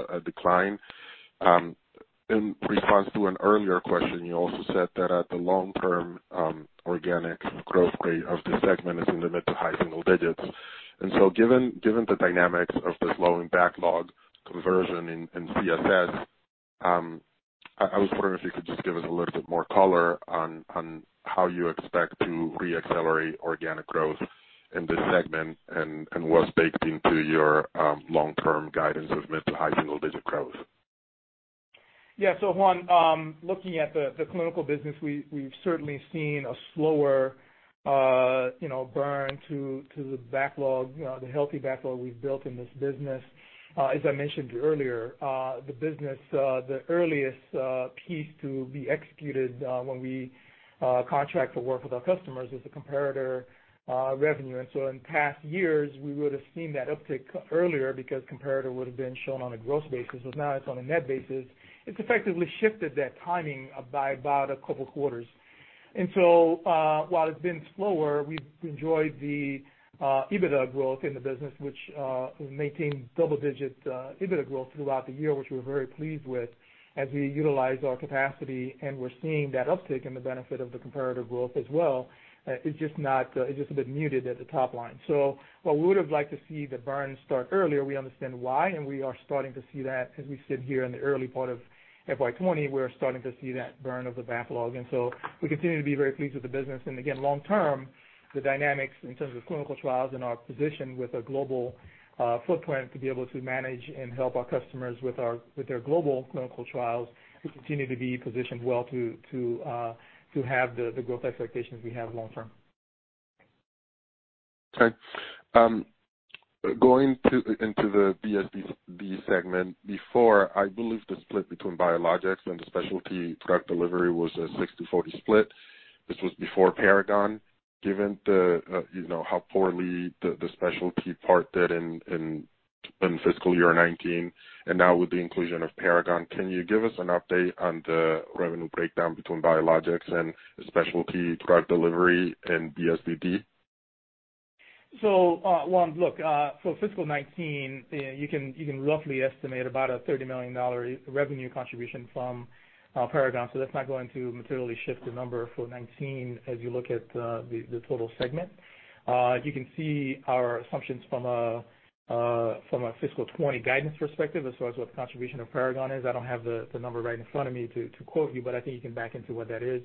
a decline. In response to an earlier question, you also said that at the long-term, organic growth rate of the segment is in the mid to high single digits. And so given the dynamics of this low and backlog conversion in CSS, I was wondering if you could just give us a little bit more color on how you expect to re-accelerate organic growth in this segment and what's baked into your long-term guidance of mid to high single digit growth. Yeah. So Juan, looking at the clinical business, we've certainly seen a slower burn to the backlog, the healthy backlog we've built in this business. As I mentioned earlier, the business, the earliest piece to be executed when we contract for work with our customers is the comparator revenue. And so in past years, we would have seen that uptick earlier because comparator would have been shown on a gross basis. But now it's on a net basis. It's effectively shifted that timing by about a couple of quarters. And so while it's been slower, we've enjoyed the EBITDA growth in the business, which maintained double-digit EBITDA growth throughout the year, which we're very pleased with as we utilize our capacity. And we're seeing that uptick and the benefit of the comparator growth as well. It's just a bit muted at the top line. So while we would have liked to see the burn start earlier, we understand why. We are starting to see that as we sit here in the early part of FY 2020, we're starting to see that burn of the backlog. And so we continue to be very pleased with the business. And again, long-term, the dynamics in terms of clinical trials and our position with a global footprint to be able to manage and help our customers with their global clinical trials, we continue to be positioned well to have the growth expectations we have long-term. Okay. Going into the BSDD segment, before, I believe the split between biologics and the specialty drug delivery was a 60/40 split. This was before Paragon, given how poorly the specialty part did in fiscal year 2019. And now with the inclusion of Paragon, can you give us an update on the revenue breakdown between Biologics and Specialty Drug Delivery and BSDD? Juan, look, for fiscal 2019, you can roughly estimate about a $30 million revenue contribution from Paragon. That's not going to materially shift the number for 2019 as you look at the total segment. You can see our assumptions from a fiscal 2020 guidance perspective as far as what the contribution of Paragon is. I don't have the number right in front of me to quote you, but I think you can back into what that is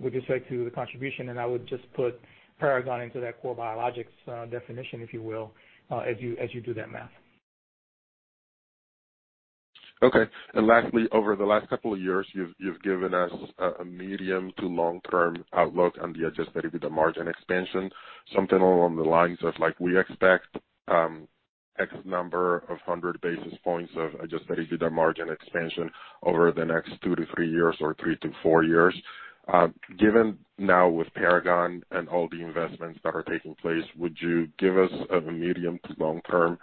with respect to the contribution. I would just put Paragon into that core biologics definition, if you will, as you do that math. Okay. Lastly, over the last couple of years, you've given us a medium to long-term outlook on the adjusted EBITDA margin expansion, something along the lines of, "We expect X number of hundred basis points of adjusted EBITDA margin expansion over the next two to three years or three to four years." Given now with Paragon and all the investments that are taking place, would you give us a medium to long-term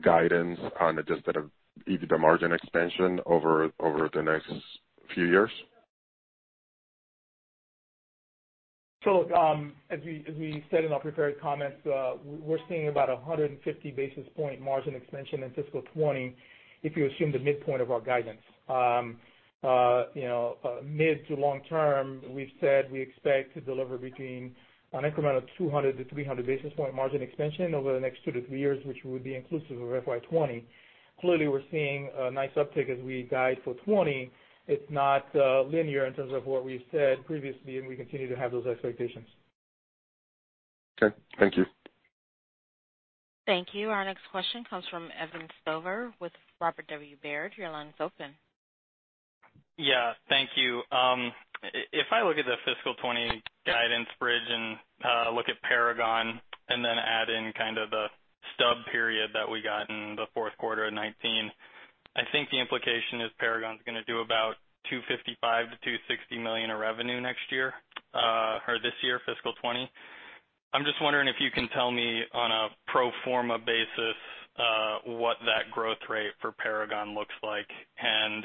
guidance on adjusted EBITDA margin expansion over the next few years? As we said in our prepared comments, we're seeing about a 150 basis point margin expansion in fiscal 2020 if you assume the midpoint of our guidance. Mid to long-term, we've said we expect to deliver between an increment of 200-300 basis points margin expansion over the next two to three years, which would be inclusive of FY 2020. Clearly, we're seeing a nice uptick as we guide for 2020. It's not linear in terms of what we've said previously, and we continue to have those expectations. Okay. Thank you. Thank you. Our next question comes from Evan Stover with Robert W. Baird. Your line is open. Yeah. Thank you. If I look at the fiscal 2020 guidance bridge and look at Paragon and then add in kind of the stub period that we got in the fourth quarter of 2019, I think the implication is Paragon's going to do about $255-260 million of revenue next year or this year, fiscal 2020. I'm just wondering if you can tell me on a pro forma basis what that growth rate for Paragon looks like. And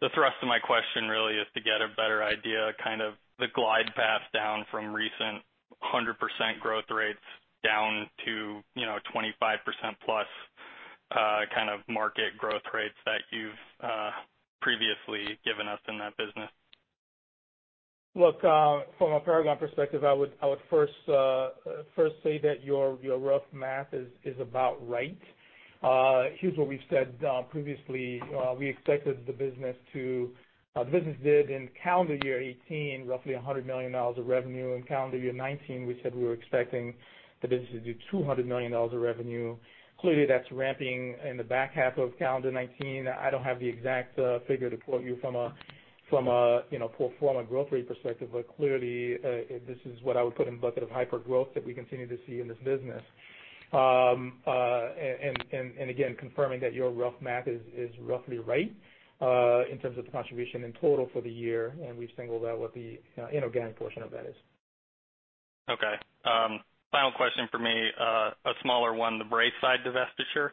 the thrust of my question really is to get a better idea of kind of the glide path down from recent 100% growth rates down to 25% plus kind of market growth rates that you've previously given us in that business. Look, from a Paragon perspective, I would first say that your rough math is about right. Here's what we've said previously. We expected the business. The business did in calendar year 2018 roughly $100 million of revenue. In calendar year 2019, we said we were expecting the business to do $200 million of revenue. Clearly, that's ramping in the back half of calendar 2019. I don't have the exact figure to quote you from a pro forma growth rate perspective, but clearly, this is what I would put in the bucket of hyper growth that we continue to see in this business. Again, confirming that your rough math is roughly right in terms of the contribution in total for the year, and we've singled out what the inorganic portion of that is. Okay. Final question for me, a smaller one, the Braeside divestiture.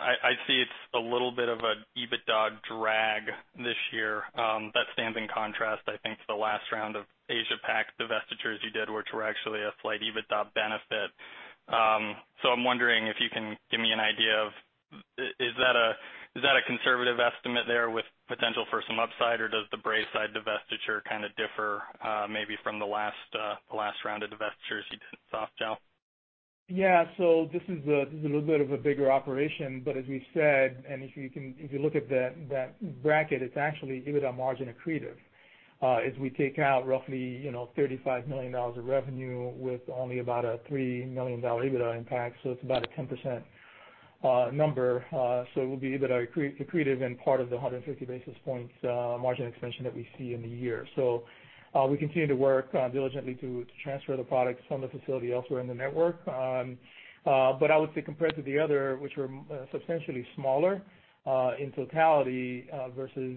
I see it's a little bit of an EBITDA drag this year. That stands in contrast, I think, to the last round of Asia-Pac divestitures you did, which were actually a slight EBITDA benefit, so I'm wondering if you can give me an idea of is that a conservative estimate there with potential for some upside, or does the Braeside divestiture kind of differ maybe from the last round of divestitures you did in Softgel? Yeah, so this is a little bit of a bigger operation. But as we said, and if you look at that bracket, it's actually EBITDA margin accretive. As we take out roughly $35 million of revenue with only about a $3 million EBITDA impact, so it's about a 10% number. So it will be EBITDA accretive and part of the 150 basis points margin expansion that we see in the year. So we continue to work diligently to transfer the products from the facility elsewhere in the network. But I would say compared to the other, which were substantially smaller in totality versus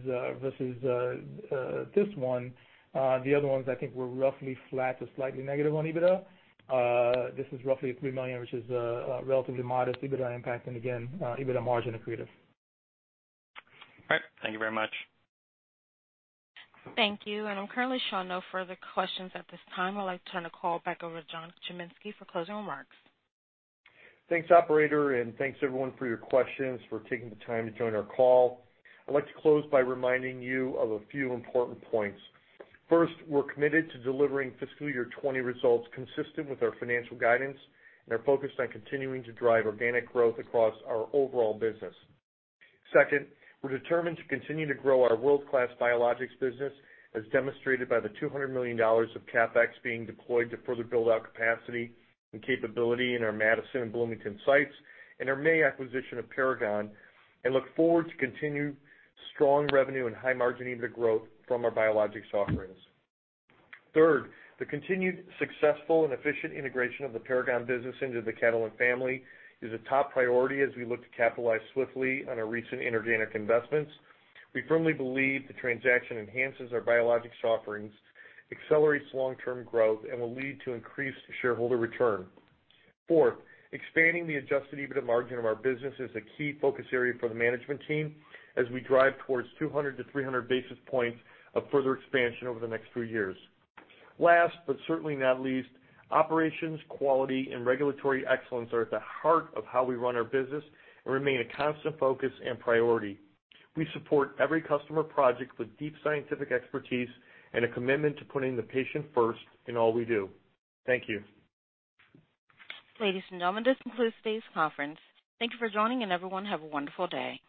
this one, the other ones, I think, were roughly flat to slightly negative on EBITDA. This is roughly 3 million, which is a relatively modest EBITDA impact. And again, EBITDA margin accretive. All right. Thank you very much. Thank you. And I'm currently showing no further questions at this time. I'd like to turn the call back over to John Chiminski for closing remarks. Thanks, operator and thanks, everyone, for your questions, for taking the time to join our call. I'd like to close by reminding you of a few important points. First, we're committed to delivering fiscal year 2020 results consistent with our financial guidance and are focused on continuing to drive organic growth across our overall business. Second, we're determined to continue to grow our world-class biologics business, as demonstrated by the $200 million of CapEx being deployed to further build out capacity and capability in our Madison and Bloomington sites and our May acquisition of Paragon, and look forward to continued strong revenue and high-margin EBITDA growth from our biologics offerings. Third, the continued successful and efficient integration of the Paragon business into the Catalent family is a top priority as we look to capitalize swiftly on our recent inorganic investments. We firmly believe the transaction enhances our biologics offerings, accelerates long-term growth, and will lead to increased shareholder return. Fourth, expanding the adjusted EBITDA margin of our business is a key focus area for the management team as we drive towards 200-300 basis points of further expansion over the next few years. Last, but certainly not least, operations, quality, and regulatory excellence are at the heart of how we run our business and remain a constant focus and priority. We support every customer project with deep scientific expertise and a commitment to putting the patient first in all we do. Thank you. Ladies and gentlemen, this concludes today's conference. Thank you for joining, and everyone, have a wonderful day.